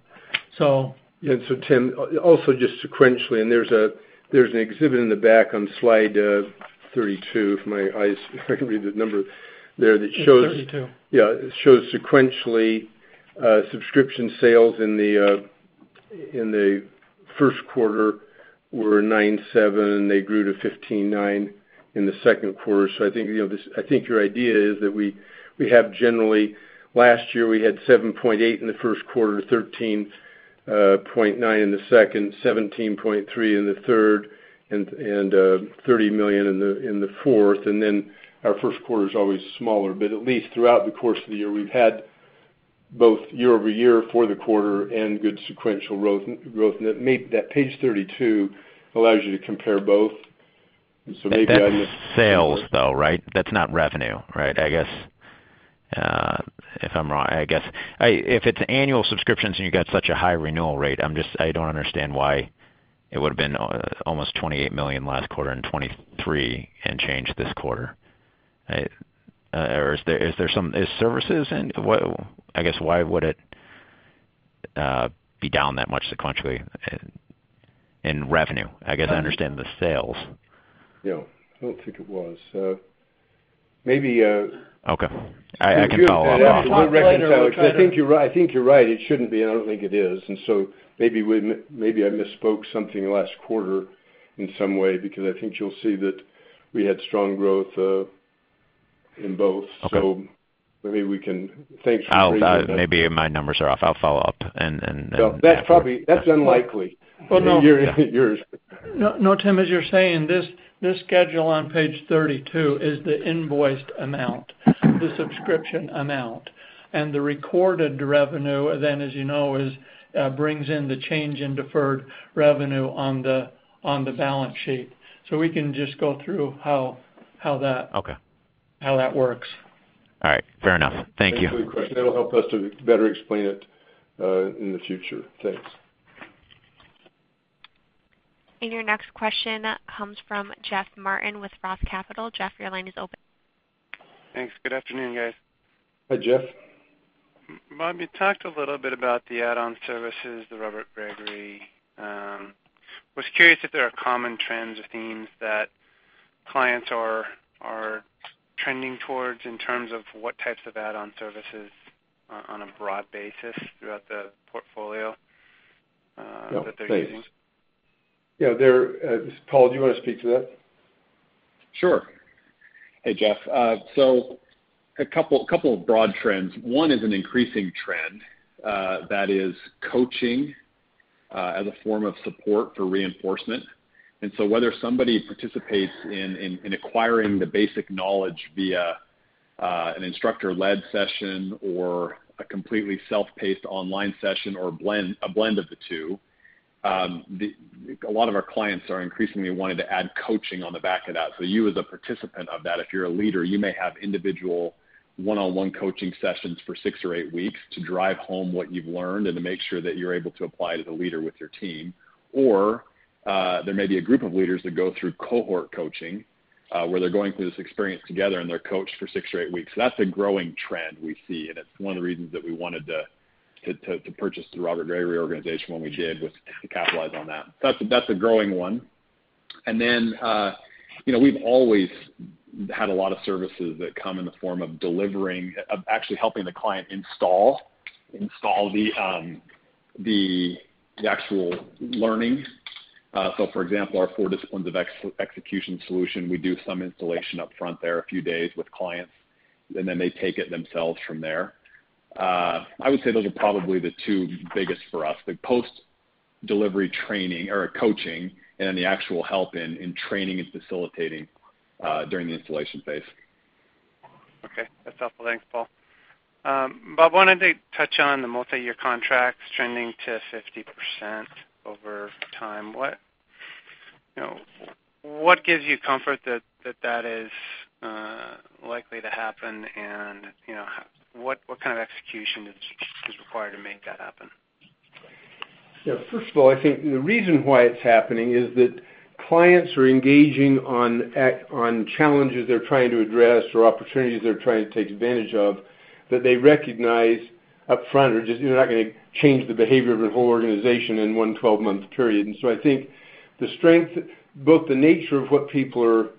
Tim, also just sequentially, there's an exhibit in the back on slide 32, if my eyes can read the number there. It's 32. Yeah. It shows sequentially subscription sales in the first quarter were $9.7, and they grew to $15.9 in the second quarter. I think your idea is that we have generally last year, we had $7.8 in the first quarter, $13.9 in the second, $17.3 in the third, and $30 million in the fourth. Our first quarter's always smaller. At least throughout the course of the year, we've had both year-over-year for the quarter and good sequential growth. That Page 32 allows you to compare both. Maybe I missed something there. That's sales, though, right? That's not revenue, right? I guess, if it's annual subscriptions and you've got such a high renewal rate, I don't understand why it would've been almost $28 million last quarter and $23 and change this quarter. Is services I guess, why would it be down that much sequentially in revenue? I guess I understand the sales. Yeah, I don't think it was. Maybe Okay. I'll follow up on that. We could reconcile. I think you're right. It shouldn't be, and I don't think it is. Maybe I misspoke something last quarter in some way, because I think you'll see that we had strong growth in both. Okay. Maybe thanks for bringing that up. Maybe my numbers are off. I'll follow up. That's unlikely. No. Yours. No, Tim, as you're saying, this schedule on Page 32 is the invoiced amount, the subscription amount. The recorded revenue then, as you know, brings in the change in deferred revenue on the balance sheet. We can just go through how that- Okay how that works. All right. Fair enough. Thank you. Thanks for the question. It'll help us to better explain it in the future. Thanks. Your next question comes from Jeff Martin with Roth Capital. Jeff, your line is open. Thanks. Good afternoon, guys. Hi, Jeff. Bob, you talked a little bit about the add-on services, the Robert Gregory. I was curious if there are common trends or themes that clients are trending towards in terms of what types of add-on services on a broad basis throughout the portfolio that they're using? Yeah. Paul, do you want to speak to that? Sure. Hey, Jeff. A couple of broad trends. One is an increasing trend, that is coaching as a form of support for reinforcement. Whether somebody participates in acquiring the basic knowledge via an instructor-led session or a completely self-paced online session or a blend of the two, a lot of our clients are increasingly wanting to add coaching on the back of that. You, as a participant of that, if you're a leader, you may have individual one-on-one coaching sessions for six or eight weeks to drive home what you've learned and to make sure that you're able to apply it as a leader with your team. There may be a group of leaders that go through cohort coaching, where they're going through this experience together, and they're coached for six or eight weeks. That's a growing trend we see, and it's one of the reasons that we wanted to purchase the Robert Gregory Partners when we did was to capitalize on that. That's a growing one. We've always had a lot of services that come in the form of actually helping the client install the actual learning. For example, our The 4 Disciplines of Execution solution, we do some installation up front there, a few days with clients, and then they take it themselves from there. I would say those are probably the two biggest for us. The post-delivery training or coaching, and then the actual help in training and facilitating during the installation phase. Okay. That's helpful. Thanks, Paul. Bob, why don't they touch on the multi-year contracts trending to 50% over time? What gives you comfort that that is likely to happen, and what kind of execution is required to make that happen? Yeah. First of all, I think the reason why it's happening is that clients are engaging on challenges they're trying to address or opportunities they're trying to take advantage of, that they recognize upfront, or just they're not going to change the behavior of their whole organization in one 12-month period. I think both the nature of what people are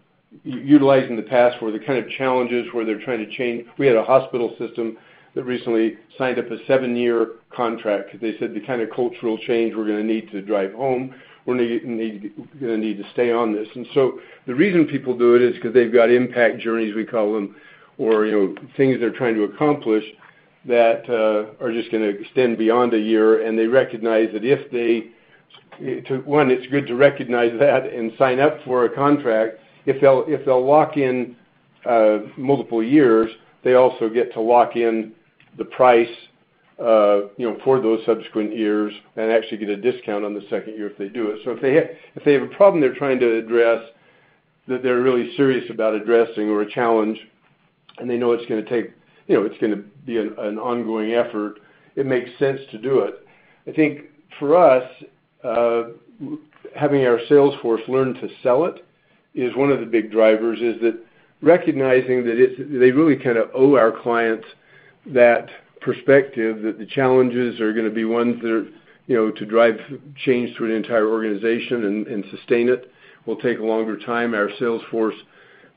utilizing in the past were the kind of challenges where they're trying to change. We had a hospital system that recently signed up a seven-year contract because they said the kind of cultural change we're going to need to drive home, we're going to need to stay on this. The reason people do it is because they've got impact journeys, we call them, or things they're trying to accomplish that are just going to extend beyond a year, and they recognize that if they. One, it's good to recognize that and sign up for a contract. If they'll lock in multiple years, they also get to lock in the price for those subsequent years and actually get a discount on the second year if they do it. If they have a problem they're trying to address, that they're really serious about addressing or a challenge, and they know it's going to be an ongoing effort, it makes sense to do it. I think for us, having our sales force learn to sell it is one of the big drivers, is that recognizing that they really kind of owe our clients that perspective, that the challenges are going to be ones that are to drive change to an entire organization and sustain it, will take a longer time. Our sales force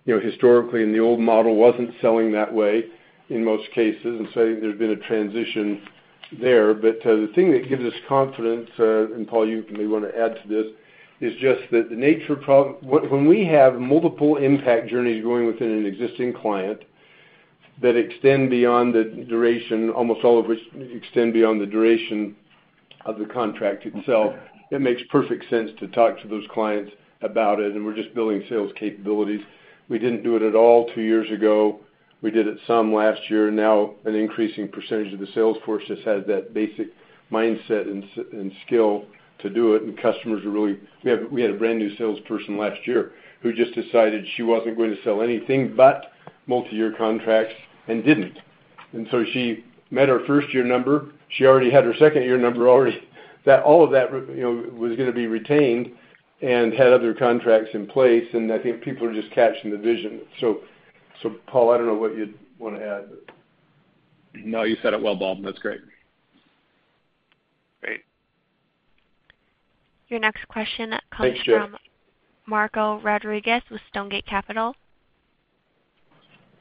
historically, in the old model, wasn't selling that way, in most cases. There's been a transition there. The thing that gives us confidence, and Paul, you may want to add to this, is just that the nature of When we have multiple impact journeys going within an existing client that extend beyond the duration, almost all of which extend beyond the duration of the contract itself, it makes perfect sense to talk to those clients about it, and we're just building sales capabilities. We didn't do it at all two years ago. We did it some last year. Now, an increasing percentage of the sales force has had that basic mindset and skill to do it. We had a brand-new salesperson last year who just decided she wasn't going to sell anything but multi-year contracts, and didn't. She met her first-year number. She already had her second-year number already. All of that was going to be retained and had other contracts in place, and I think people are just catching the vision. Paul, I don't know what you'd want to add. You said it well, Bob. That's great. Great. Your next question comes from. Thanks, Jeff. Marco Rodriguez with Stonegate Capital.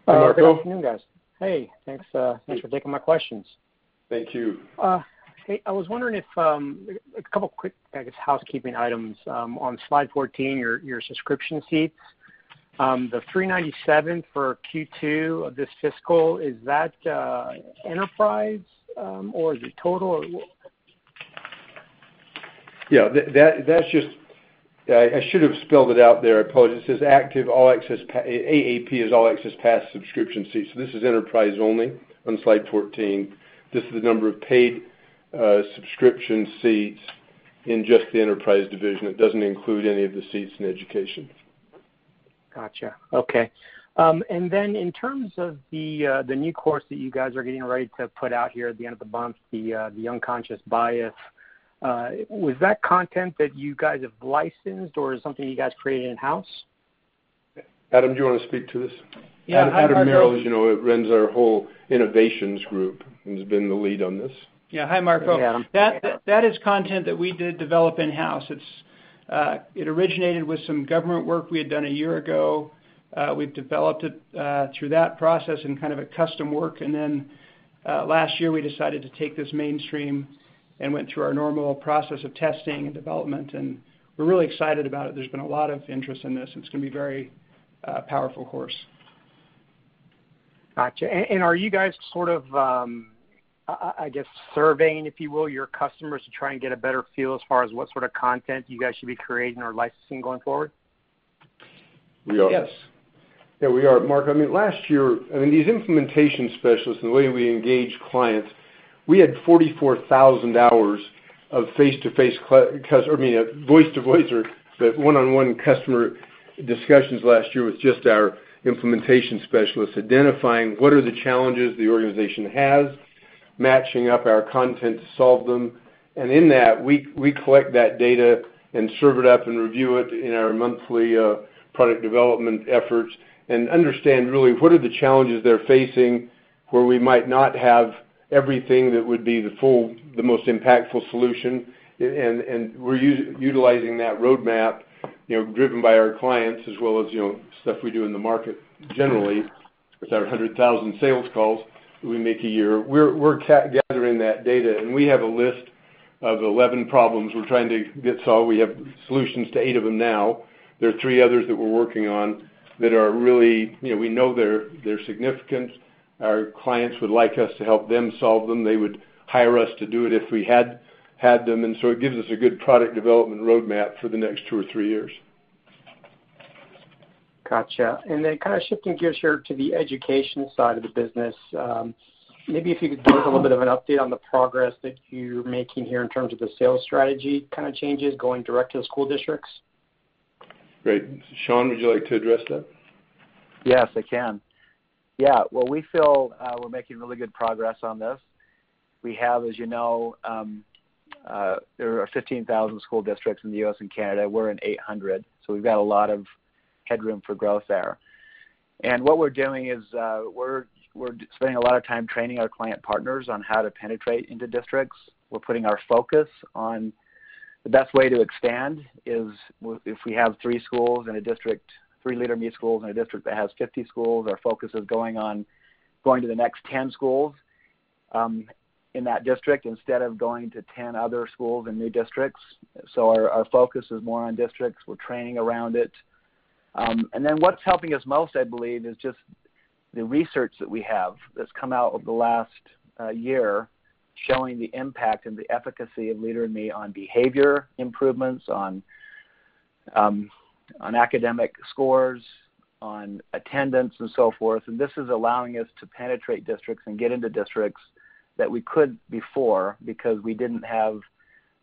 Hi, Marco. Good afternoon, guys. Hey, thanks for taking my questions. Thank you. Okay, I was wondering. A couple quick, I guess, housekeeping items. On slide 14, your subscription seats, the 397 for Q2 of this fiscal, is that enterprise, or is it total? Yeah. I should have spelled it out there, I apologize. It says AAP is All Access Pass subscription seats, this is enterprise only on slide 14. This is the number of paid subscription seats in just the enterprise division. It doesn't include any of the seats in education. Got you. Okay. Then in terms of the new course that you guys are getting ready to put out here at the end of the month, the unconscious bias, was that content that you guys have licensed or something you guys created in-house? Adam, do you want to speak to this? Yeah. Adam Merrill runs our whole innovations group and has been the lead on this. Yeah. Hi, Marco. Hey, Adam. That is content that we did develop in-house. It originated with some government work we had done a year ago. We've developed it through that process in kind of a custom work. Last year, we decided to take this mainstream and went through our normal process of testing and development, and we're really excited about it. There's been a lot of interest in this. It's going to be a very powerful course. Gotcha. Are you guys, I guess, surveying, if you will, your customers to try and get a better feel as far as what sort of content you guys should be creating or licensing going forward? We are. Yes. Yeah, we are, Marco. These implementation specialists and the way we engage clients, we had 44,000 hours of voice to voice or one-on-one customer discussions last year with just our implementation specialists identifying what are the challenges the organization has, matching up our content to solve them. In that, we collect that data and serve it up and review it in our monthly product development efforts and understand really what are the challenges they're facing, where we might not have everything that would be the most impactful solution. We're utilizing that roadmap, driven by our clients as well as stuff we do in the market generally with our 100,000 sales calls we make a year. We're gathering that data, and we have a list of 11 problems we're trying to get solved. We have solutions to eight of them now. There are three others that we're working on that we know they're significant. Our clients would like us to help them solve them. They would hire us to do it if we had them. It gives us a good product development roadmap for the next two or three years. Gotcha. Shifting gears here to the education side of the business. Maybe if you could give us a little bit of an update on the progress that you're making here in terms of the sales strategy changes, going direct to the school districts. Great. Sean, would you like to address that? Yes, I can. Well, we feel we're making really good progress on this. We have, as you know there are 15,000 school districts in the U.S. and Canada. We're in 800, so we've got a lot of headroom for growth there. What we're doing is we're spending a lot of time training our client partners on how to penetrate into districts. We're putting our focus on the best way to expand is if we have three Leader in Me schools in a district that has 50 schools, our focus is going to the next 10 schools in that district instead of going to 10 other schools in new districts. Our focus is more on districts. We're training around it. What's helping us most, I believe, is just the research that we have that's come out over the last year showing the impact and the efficacy of Leader in Me on behavior improvements, on academic scores, on attendance, and so forth. This is allowing us to penetrate districts and get into districts that we couldn't before because we didn't have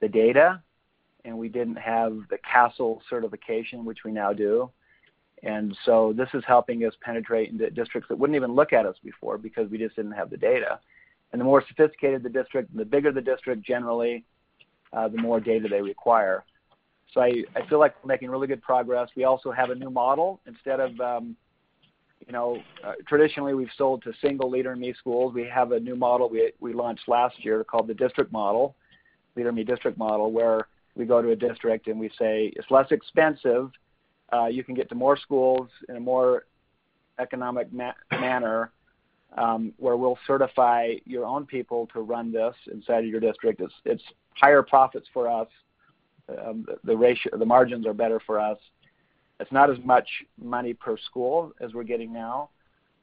the data and we didn't have the CASEL certification, which we now do. This is helping us penetrate into districts that wouldn't even look at us before because we just didn't have the data. The more sophisticated the district and the bigger the district, generally the more data they require. I feel like we're making really good progress. We also have a new model. Traditionally, we've sold to single Leader in Me schools. We have a new model we launched last year called the District Model, Leader in Me District Model, where we go to a district and we say, "It's less expensive. You can get to more schools in a more economic manner where we'll certify your own people to run this inside of your district." It's higher profits for us. The margins are better for us. It's not as much money per school as we're getting now,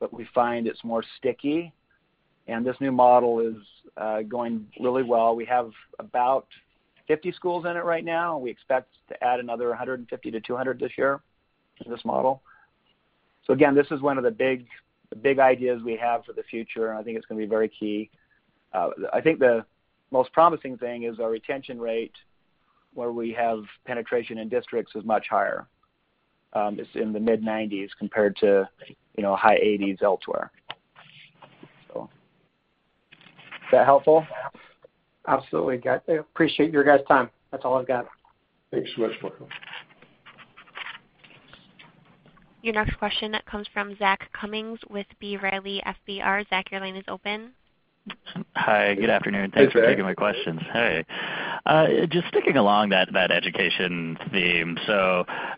but we find it's more sticky and this new model is going really well. We have about 50 schools in it right now and we expect to add another 150 to 200 this year in this model. Again, this is one of the big ideas we have for the future and I think it's going to be very key. I think the most promising thing is our retention rate where we have penetration in districts is much higher. It's in the mid-90s compared to high 80s elsewhere. Is that helpful? Absolutely. Got it. Appreciate your guys' time. That's all I've got. Thanks so much, Marco. Your next question comes from Zach Cummins with B. Riley FBR. Zach, your line is open. Hi, good afternoon. Hey, Zach. Thanks for taking my questions. Just sticking along that education theme.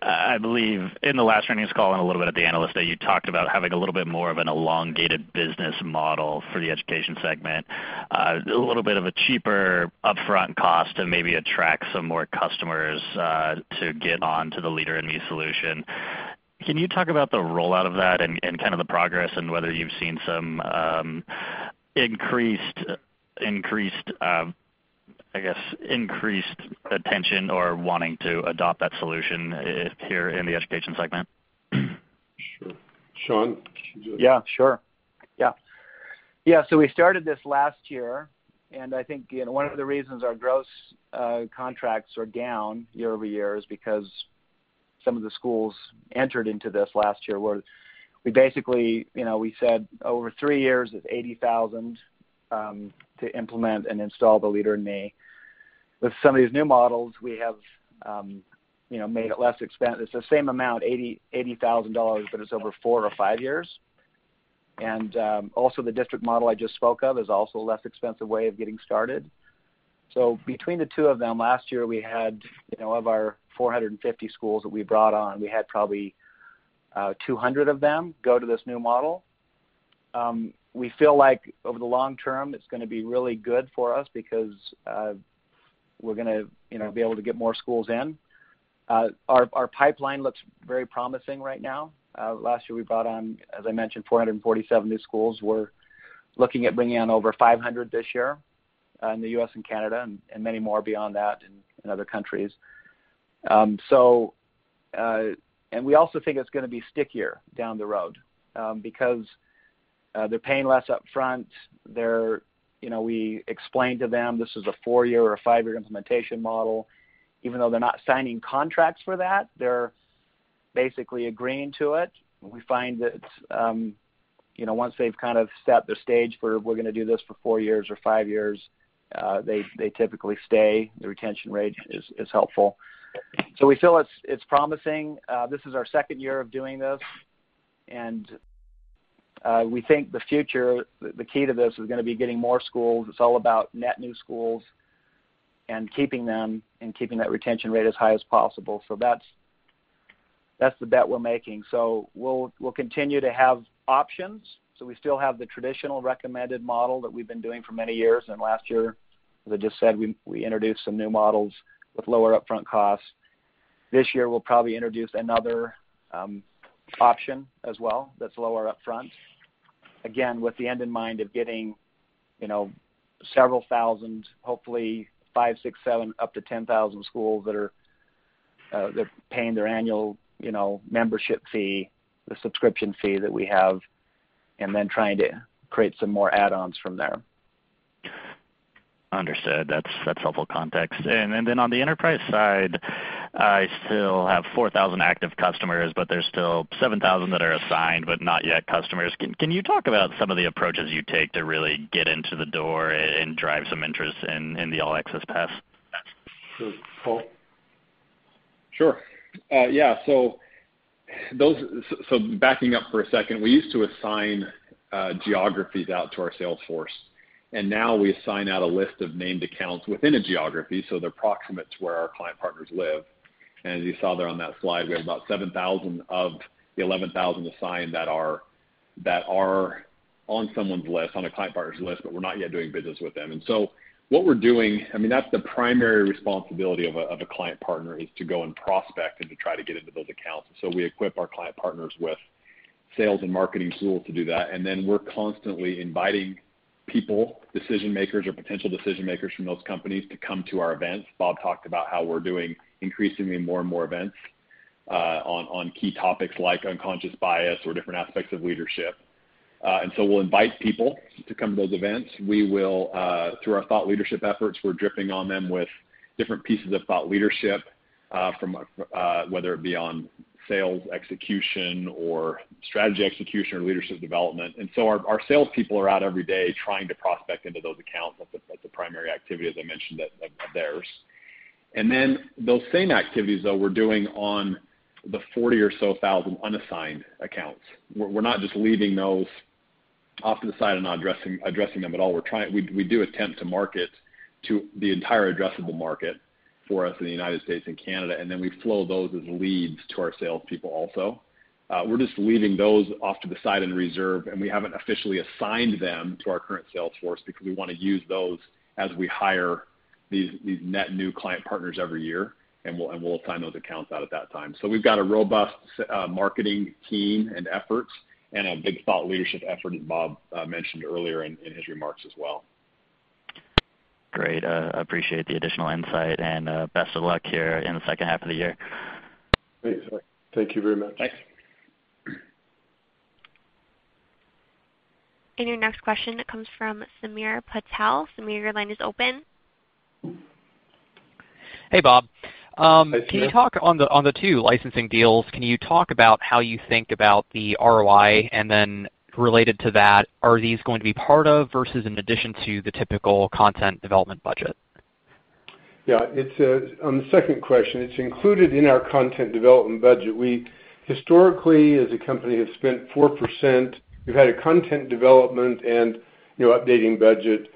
I believe in the last earnings call and a little bit at the Analyst Day you talked about having a little bit more of an elongated business model for the education segment. A little bit of a cheaper upfront cost to maybe attract some more customers to get onto the Leader in Me solution. Can you talk about the rollout of that and the progress and whether you've seen some increased attention or wanting to adopt that solution here in the education segment? Sure. Sean, could you do it? Sure. We started this last year and I think one of the reasons our gross contracts are down year-over-year is because some of the schools entered into this last year where we basically said over three years it's $80,000 to implement and install the Leader in Me. With some of these new models we have made it less expensive. It's the same amount, $80,000, but it's over four or five years. Also the Leader in Me District Model I just spoke of is also a less expensive way of getting started. Between the two of them last year we had of our 450 schools that we brought on, we had probably 200 of them go to this new model. We feel like over the long term it's going to be really good for us because We're going to be able to get more schools in. Our pipeline looks very promising right now. Last year, we brought on, as I mentioned, 447 new schools. We're looking at bringing on over 500 this year in the U.S. and Canada, and many more beyond that in other countries. We also think it's going to be stickier down the road. Because they're paying less upfront, we explain to them this is a four-year or a five-year implementation model. Even though they're not signing contracts for that, they're basically agreeing to it. We find that once they've set the stage for, we're going to do this for four years or five years, they typically stay. The retention rate is helpful. We feel it's promising. This is our second year of doing this, and we think the future, the key to this, is going to be getting more schools. It's all about net new schools and keeping them, and keeping that retention rate as high as possible. That's the bet we're making. We'll continue to have options. We still have the traditional recommended model that we've been doing for many years, and last year, as I just said, we introduced some new models with lower upfront costs. This year, we'll probably introduce another option as well that's lower upfront, again, with the end in mind of getting several thousand, hopefully five, six, seven, up to 10,000 schools that are paying their annual membership fee, the subscription fee that we have, and then trying to create some more add-ons from there. Understood. That's helpful context. Then on the enterprise side, I still have 4,000 active customers, but there's still 7,000 that are assigned, but not yet customers. Can you talk about some of the approaches you take to really get into the door and drive some interest in the All Access Pass? This is Paul. Sure. Yeah. Backing up for a second, we used to assign geographies out to our sales force, and now we assign out a list of named accounts within a geography, so they're proximate to where our client partners live. As you saw there on that slide, we have about 7,000 of the 11,000 assigned that are on someone's list, on a client partner's list, but we're not yet doing business with them. What we're doing, that's the primary responsibility of a client partner, is to go and prospect and to try to get into those accounts. We equip our client partners with sales and marketing tools to do that, and then we're constantly inviting people, decision-makers or potential decision-makers from those companies, to come to our events. Bob talked about how we're doing increasingly more and more events, on key topics like unconscious bias or different aspects of leadership. We'll invite people to come to those events. Through our thought leadership efforts, we're dripping on them with different pieces of thought leadership, whether it be on sales execution or strategy execution or leadership development. Our salespeople are out every day trying to prospect into those accounts. That's a primary activity, as I mentioned, that's theirs. Those same activities, though, we're doing on the 40,000 or so unassigned accounts. We're not just leaving those off to the side and not addressing them at all. We do attempt to market to the entire addressable market for us in the United States and Canada. We flow those as leads to our salespeople also. We're just leaving those off to the side in reserve, and we haven't officially assigned them to our current sales force because we want to use those as we hire these net new client partners every year, and we'll assign those accounts out at that time. We've got a robust marketing team and efforts and a big thought leadership effort, as Bob mentioned earlier in his remarks as well. Great. Appreciate the additional insight. Best of luck here in the second half of the year. Great. Thank you very much. Thanks. Your next question comes fromSamir Patel.Samir, your line is open. Hey, Bob. Hey, Samir. Can you talk on the two licensing deals, can you talk about how you think about the ROI, and then related to that, are these going to be part of, versus in addition to, the typical content development budget? Yeah. On the second question, it's included in our content development budget. We historically, as a company, have spent 4%. We've had a content development and updating budget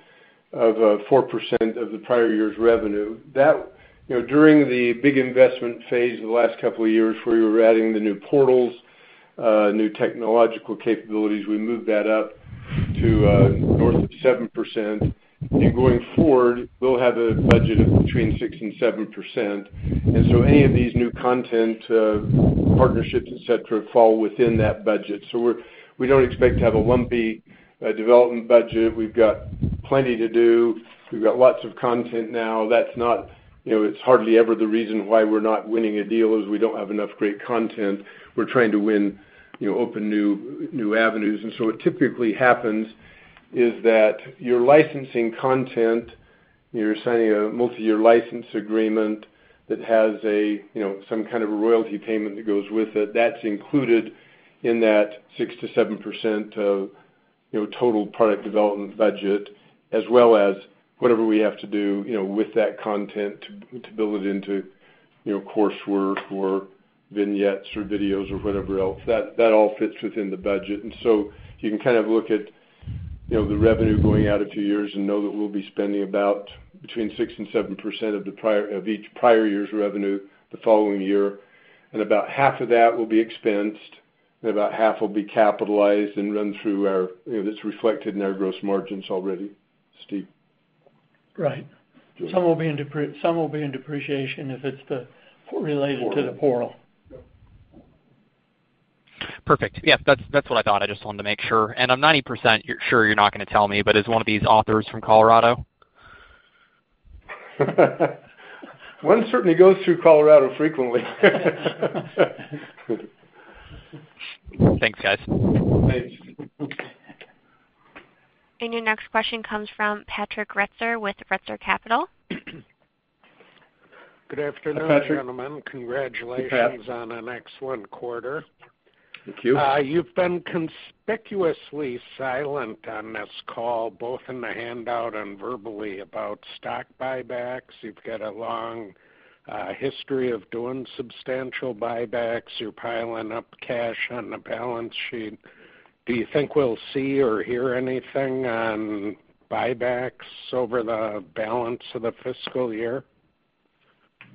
of 4% of the prior year's revenue. During the big investment phase of the last couple of years, we were adding the new portals, new technological capabilities, we moved that up to north of 7%. Going forward, we'll have a budget of between 6%-7%. Any of these new content partnerships, et cetera, fall within that budget. We don't expect to have a lumpy development budget. We've got plenty to do. We've got lots of content now. It's hardly ever the reason why we're not winning a deal is we don't have enough great content. We're trying to open new avenues. What typically happens is that you're licensing content, you're signing a multi-year license agreement that has some kind of a royalty payment that goes with it. That's included in that 6%-7% of total product development budget, as well as whatever we have to do with that content to build it into coursework or vignettes or videos or whatever else. That all fits within the budget. You can look at the revenue going out a few years and know that we'll be spending about between 6%-7% of each prior year's revenue the following year. About half of that will be expensed. About half will be capitalized and run through it's reflected in our gross margins already, Steve. Right. Some will be in depreciation if it's related to the portal. Portal. Yep. Perfect. Yes, that's what I thought. I just wanted to make sure. I'm 90% sure you're not going to tell me, but is one of these authors from Colorado? One certainly goes through Colorado frequently. Thanks, guys. Thanks. Your next question comes from Patrick Retzer with Retzer Capital. Good afternoon, gentlemen. Hi, Patrick. Congratulations- Hey, Pat. ...on an excellent quarter. Thank you. You've been conspicuously silent on this call, both in the handout and verbally, about stock buybacks. You've got a long history of doing substantial buybacks. You're piling up cash on the balance sheet. Do you think we'll see or hear anything on buybacks over the balance of the fiscal year?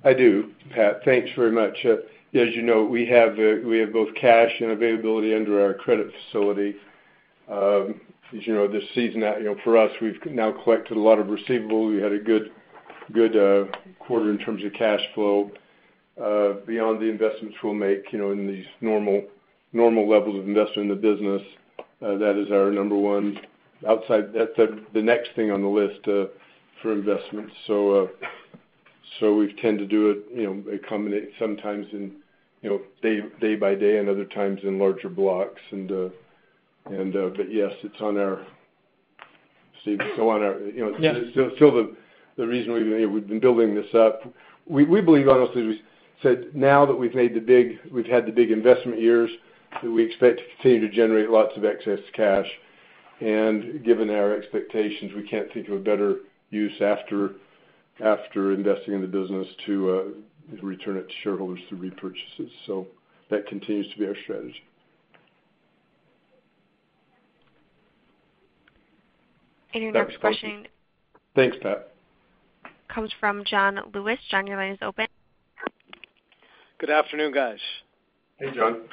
I do, Pat. Thanks very much. As you know, we have both cash and availability under our credit facility. As you know, this season, for us, we've now collected a lot of receivables. We had a good quarter in terms of cash flow. Beyond the investments we'll make in these normal levels of investment in the business, that is our number one. That's the next thing on the list for investments. We tend to do it, accommodate sometimes in day by day and other times in larger blocks. Yes, Steve, go on. Yeah. It's still the reason we've been building this up. We believe, honestly, as we said, now that we've had the big investment years, that we expect to continue to generate lots of excess cash. Given our expectations, we can't think of a better use after investing in the business to return it to shareholders through repurchases. That continues to be our strategy. Your next question- Thanks, Pat. comes from John Lewis. John, your line is open. Good afternoon, guys. Hey, John.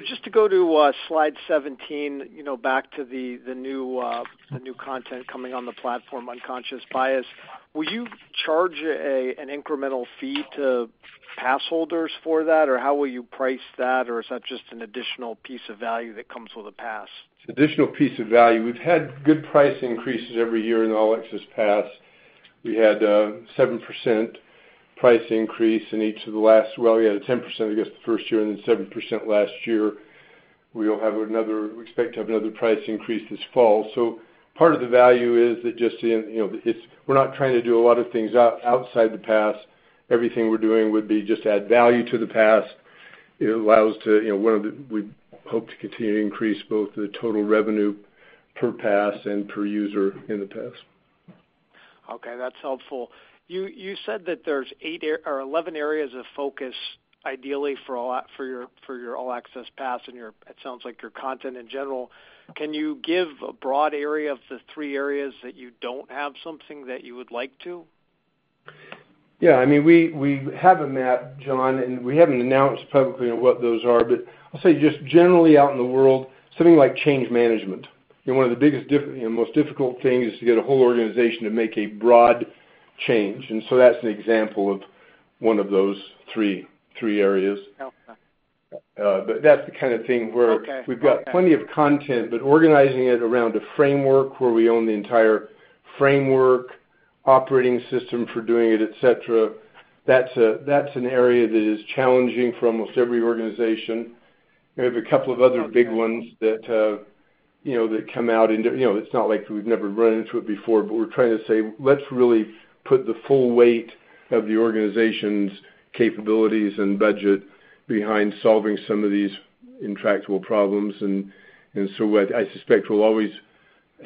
Just to go to slide 17, back to the new content coming on the platform, Unconscious Bias. Will you charge an incremental fee to pass holders for that, or how will you price that, or is that just an additional piece of value that comes with a pass? It's additional piece of value. We've had good price increases every year in All Access Pass. We had 7% price increase. We had a 10%, I guess, the first year and then 7% last year. We expect to have another price increase this fall. Part of the value is that we're not trying to do a lot of things outside the pass. Everything we're doing would be just add value to the pass. We hope to continue to increase both the total revenue per pass and per user in the pass. Okay, that's helpful. You said that there's eight or 11 areas of focus, ideally, for your All Access Pass and your, it sounds like your content in general. Can you give a broad area of the three areas that you don't have something that you would like to? Yeah. We have a map, John, We haven't announced publicly on what those are, I'll say just generally out in the world, something like change management. One of the biggest, most difficult things is to get a whole organization to make a broad change, That's an example of one of those three areas. Okay. That's the kind of thing where. Okay We've got plenty of content, organizing it around a framework where we own the entire framework, operating system for doing it, et cetera. That's an area that is challenging for almost every organization. We have a couple of other big ones that come out into. It's not like we've never run into it before, We're trying to say, let's really put the full weight of the organization's capabilities and budget behind solving some of these intractable problems. I suspect we'll always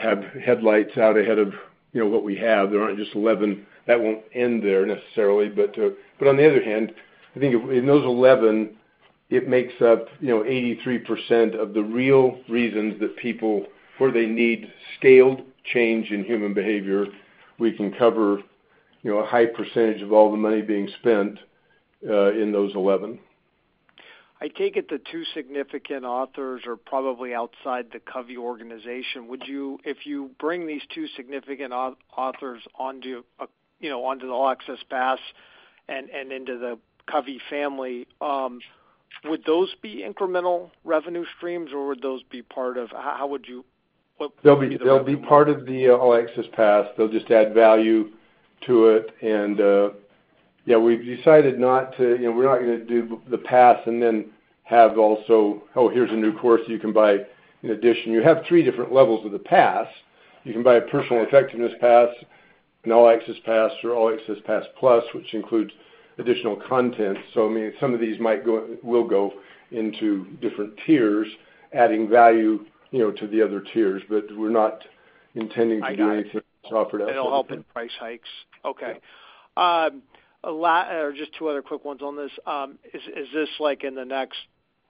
have headlights out ahead of what we have. There aren't just 11. That won't end there necessarily. On the other hand, I think in those 11, it makes up 83% of the real reasons that people, where they need scaled change in human behavior. We can cover a high percentage of all the money being spent in those 11. I take it the two significant authors are probably outside the Covey organization. If you bring these two significant authors onto the All Access Pass and into the Covey family, would those be incremental revenue streams, or what would be the revenue model? They'll be part of the All Access Pass. They'll just add value to it, and yeah, we've decided we're not going to do the pass and then have also, oh, here's a new course you can buy in addition. You have three different levels of the pass. You can buy a Personal Effectiveness Pass, an All Access Pass, or All Access Pass Plus, which includes additional content. Some of these will go into different tiers, adding value to the other tiers. We're not intending to do anything. I got it separate out from them. It'll help in price hikes. Okay. Yeah. Just two other quick ones on this. Is this like in the next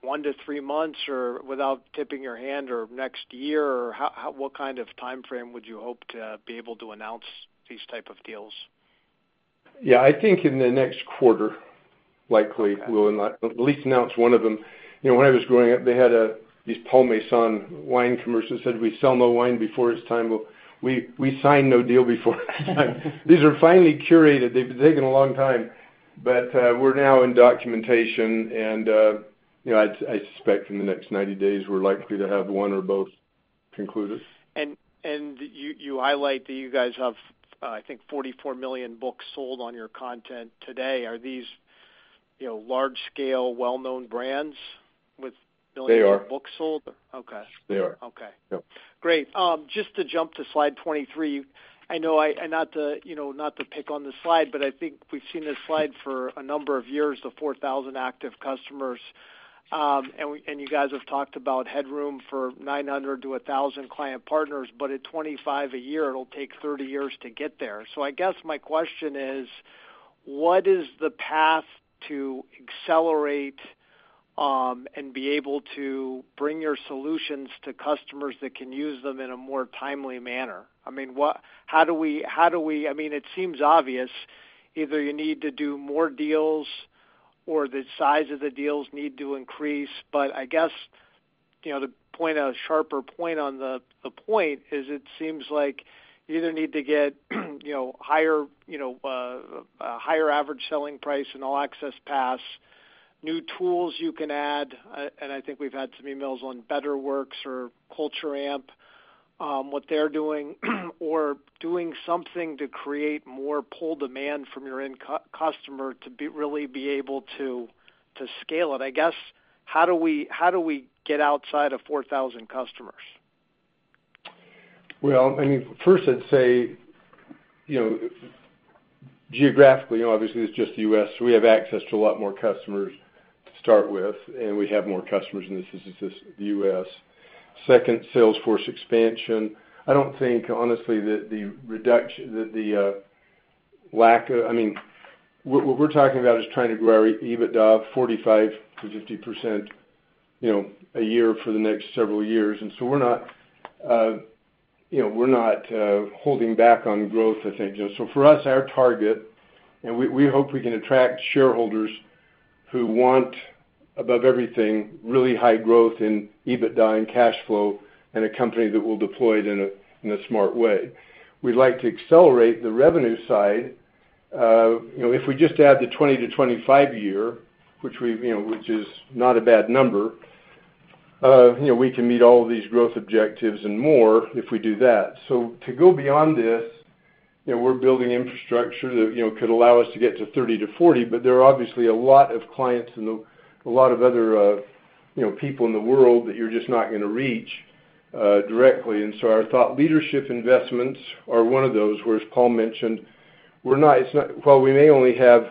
one to three months or without tipping your hand or next year, or what kind of timeframe would you hope to be able to announce these type of deals? Yeah, I think in the next quarter, likely, we'll at least announce one of them. When I was growing up, they had these Paul Masson wine commercials that said, "We sell no wine before its time." Well, we sign no deal before its time. These are finely curated. They've taken a long time. We're now in documentation, and I suspect in the next 90 days, we're likely to have one or both concluded. You highlight that you guys have, I think, 44 million books sold on your content today. Are these large-scale, well-known brands with millions- They are of books sold? Okay. They are. Okay. Yep. Great. Just to jump to slide 23. Not to pick on this slide, but I think we've seen this slide for a number of years, the 4,000 active customers. You guys have talked about headroom for 900 to 1,000 client partners, but at 25 a year, it'll take 30 years to get there. I guess my question is, what is the path to accelerate and be able to bring your solutions to customers that can use them in a more timely manner? It seems obvious either you need to do more deals, or the size of the deals need to increase. I guess, to point a sharper point on the point is it seems like you either need to get a higher average selling price in All Access Pass, new tools you can add, and I think we've had some emails on Betterworks or Culture Amp, what they're doing, or doing something to create more pull demand from your end customer to really be able to scale it. I guess, how do we get outside of 4,000 customers? Well, first I'd say, geographically, obviously, it's just the U.S., so we have access to a lot more customers to start with, and we have more customers, and this is just the U.S. Second, Salesforce expansion. I don't think, honestly. What we're talking about is trying to grow our EBITDA 45%-50% a year for the next several years. We're not holding back on growth, I think. For us, our target, and we hope we can attract shareholders who want, above everything, really high growth in EBITDA and cash flow, and a company that will deploy it in a smart way. We'd like to accelerate the revenue side. If we just add the 20-25 a year, which is not a bad number, we can meet all of these growth objectives and more if we do that. To go beyond this, we're building infrastructure that could allow us to get to 30-40, but there are obviously a lot of clients and a lot of other people in the world that you're just not going to reach directly. Our thought leadership investments are one of those, where, as Paul mentioned, while we may only have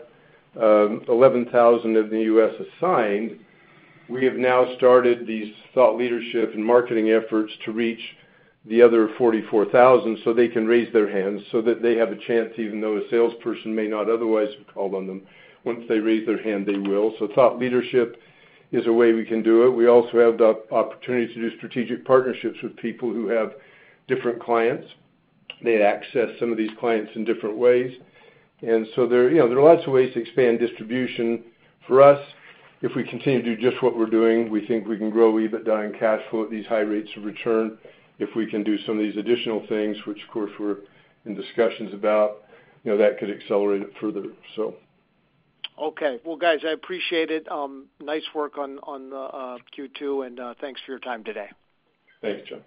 11,000 of the U.S. assigned, we have now started these thought leadership and marketing efforts to reach the other 44,000 so they can raise their hands so that they have a chance, even though a salesperson may not otherwise have called on them. Once they raise their hand, they will. Thought leadership is a way we can do it. We also have the opportunity to do strategic partnerships with people who have different clients. They access some of these clients in different ways. There are lots of ways to expand distribution. For us, if we continue to do just what we're doing, we think we can grow EBITDA and cash flow at these high rates of return. If we can do some of these additional things, which, of course, we're in discussions about, that could accelerate it further. Okay. Well, guys, I appreciate it. Nice work on Q2. Thanks for your time today. Thanks, John.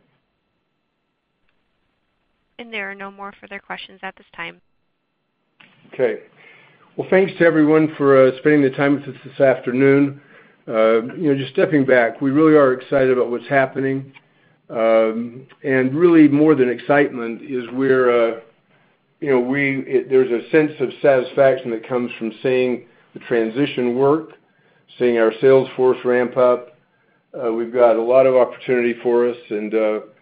There are no more further questions at this time. Okay. Well, thanks to everyone for spending the time with us this afternoon. Just stepping back, we really are excited about what's happening. Really, more than excitement is there's a sense of satisfaction that comes from seeing the transition work, seeing our sales force ramp up. We've got a lot of opportunity for us.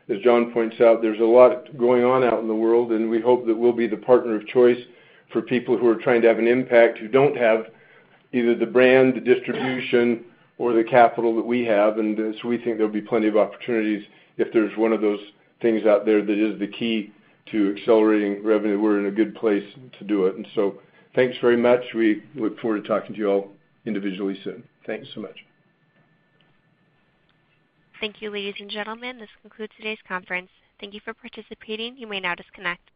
As John points out, there's a lot going on out in the world, and we hope that we'll be the partner of choice for people who are trying to have an impact, who don't have either the brand, the distribution, or the capital that we have. We think there'll be plenty of opportunities if there's one of those things out there that is the key to accelerating revenue. We're in a good place to do it. Thanks very much. We look forward to talking to you all individually soon. Thanks so much. Thank you, ladies and gentlemen. This concludes today's conference. Thank you for participating. You may now disconnect.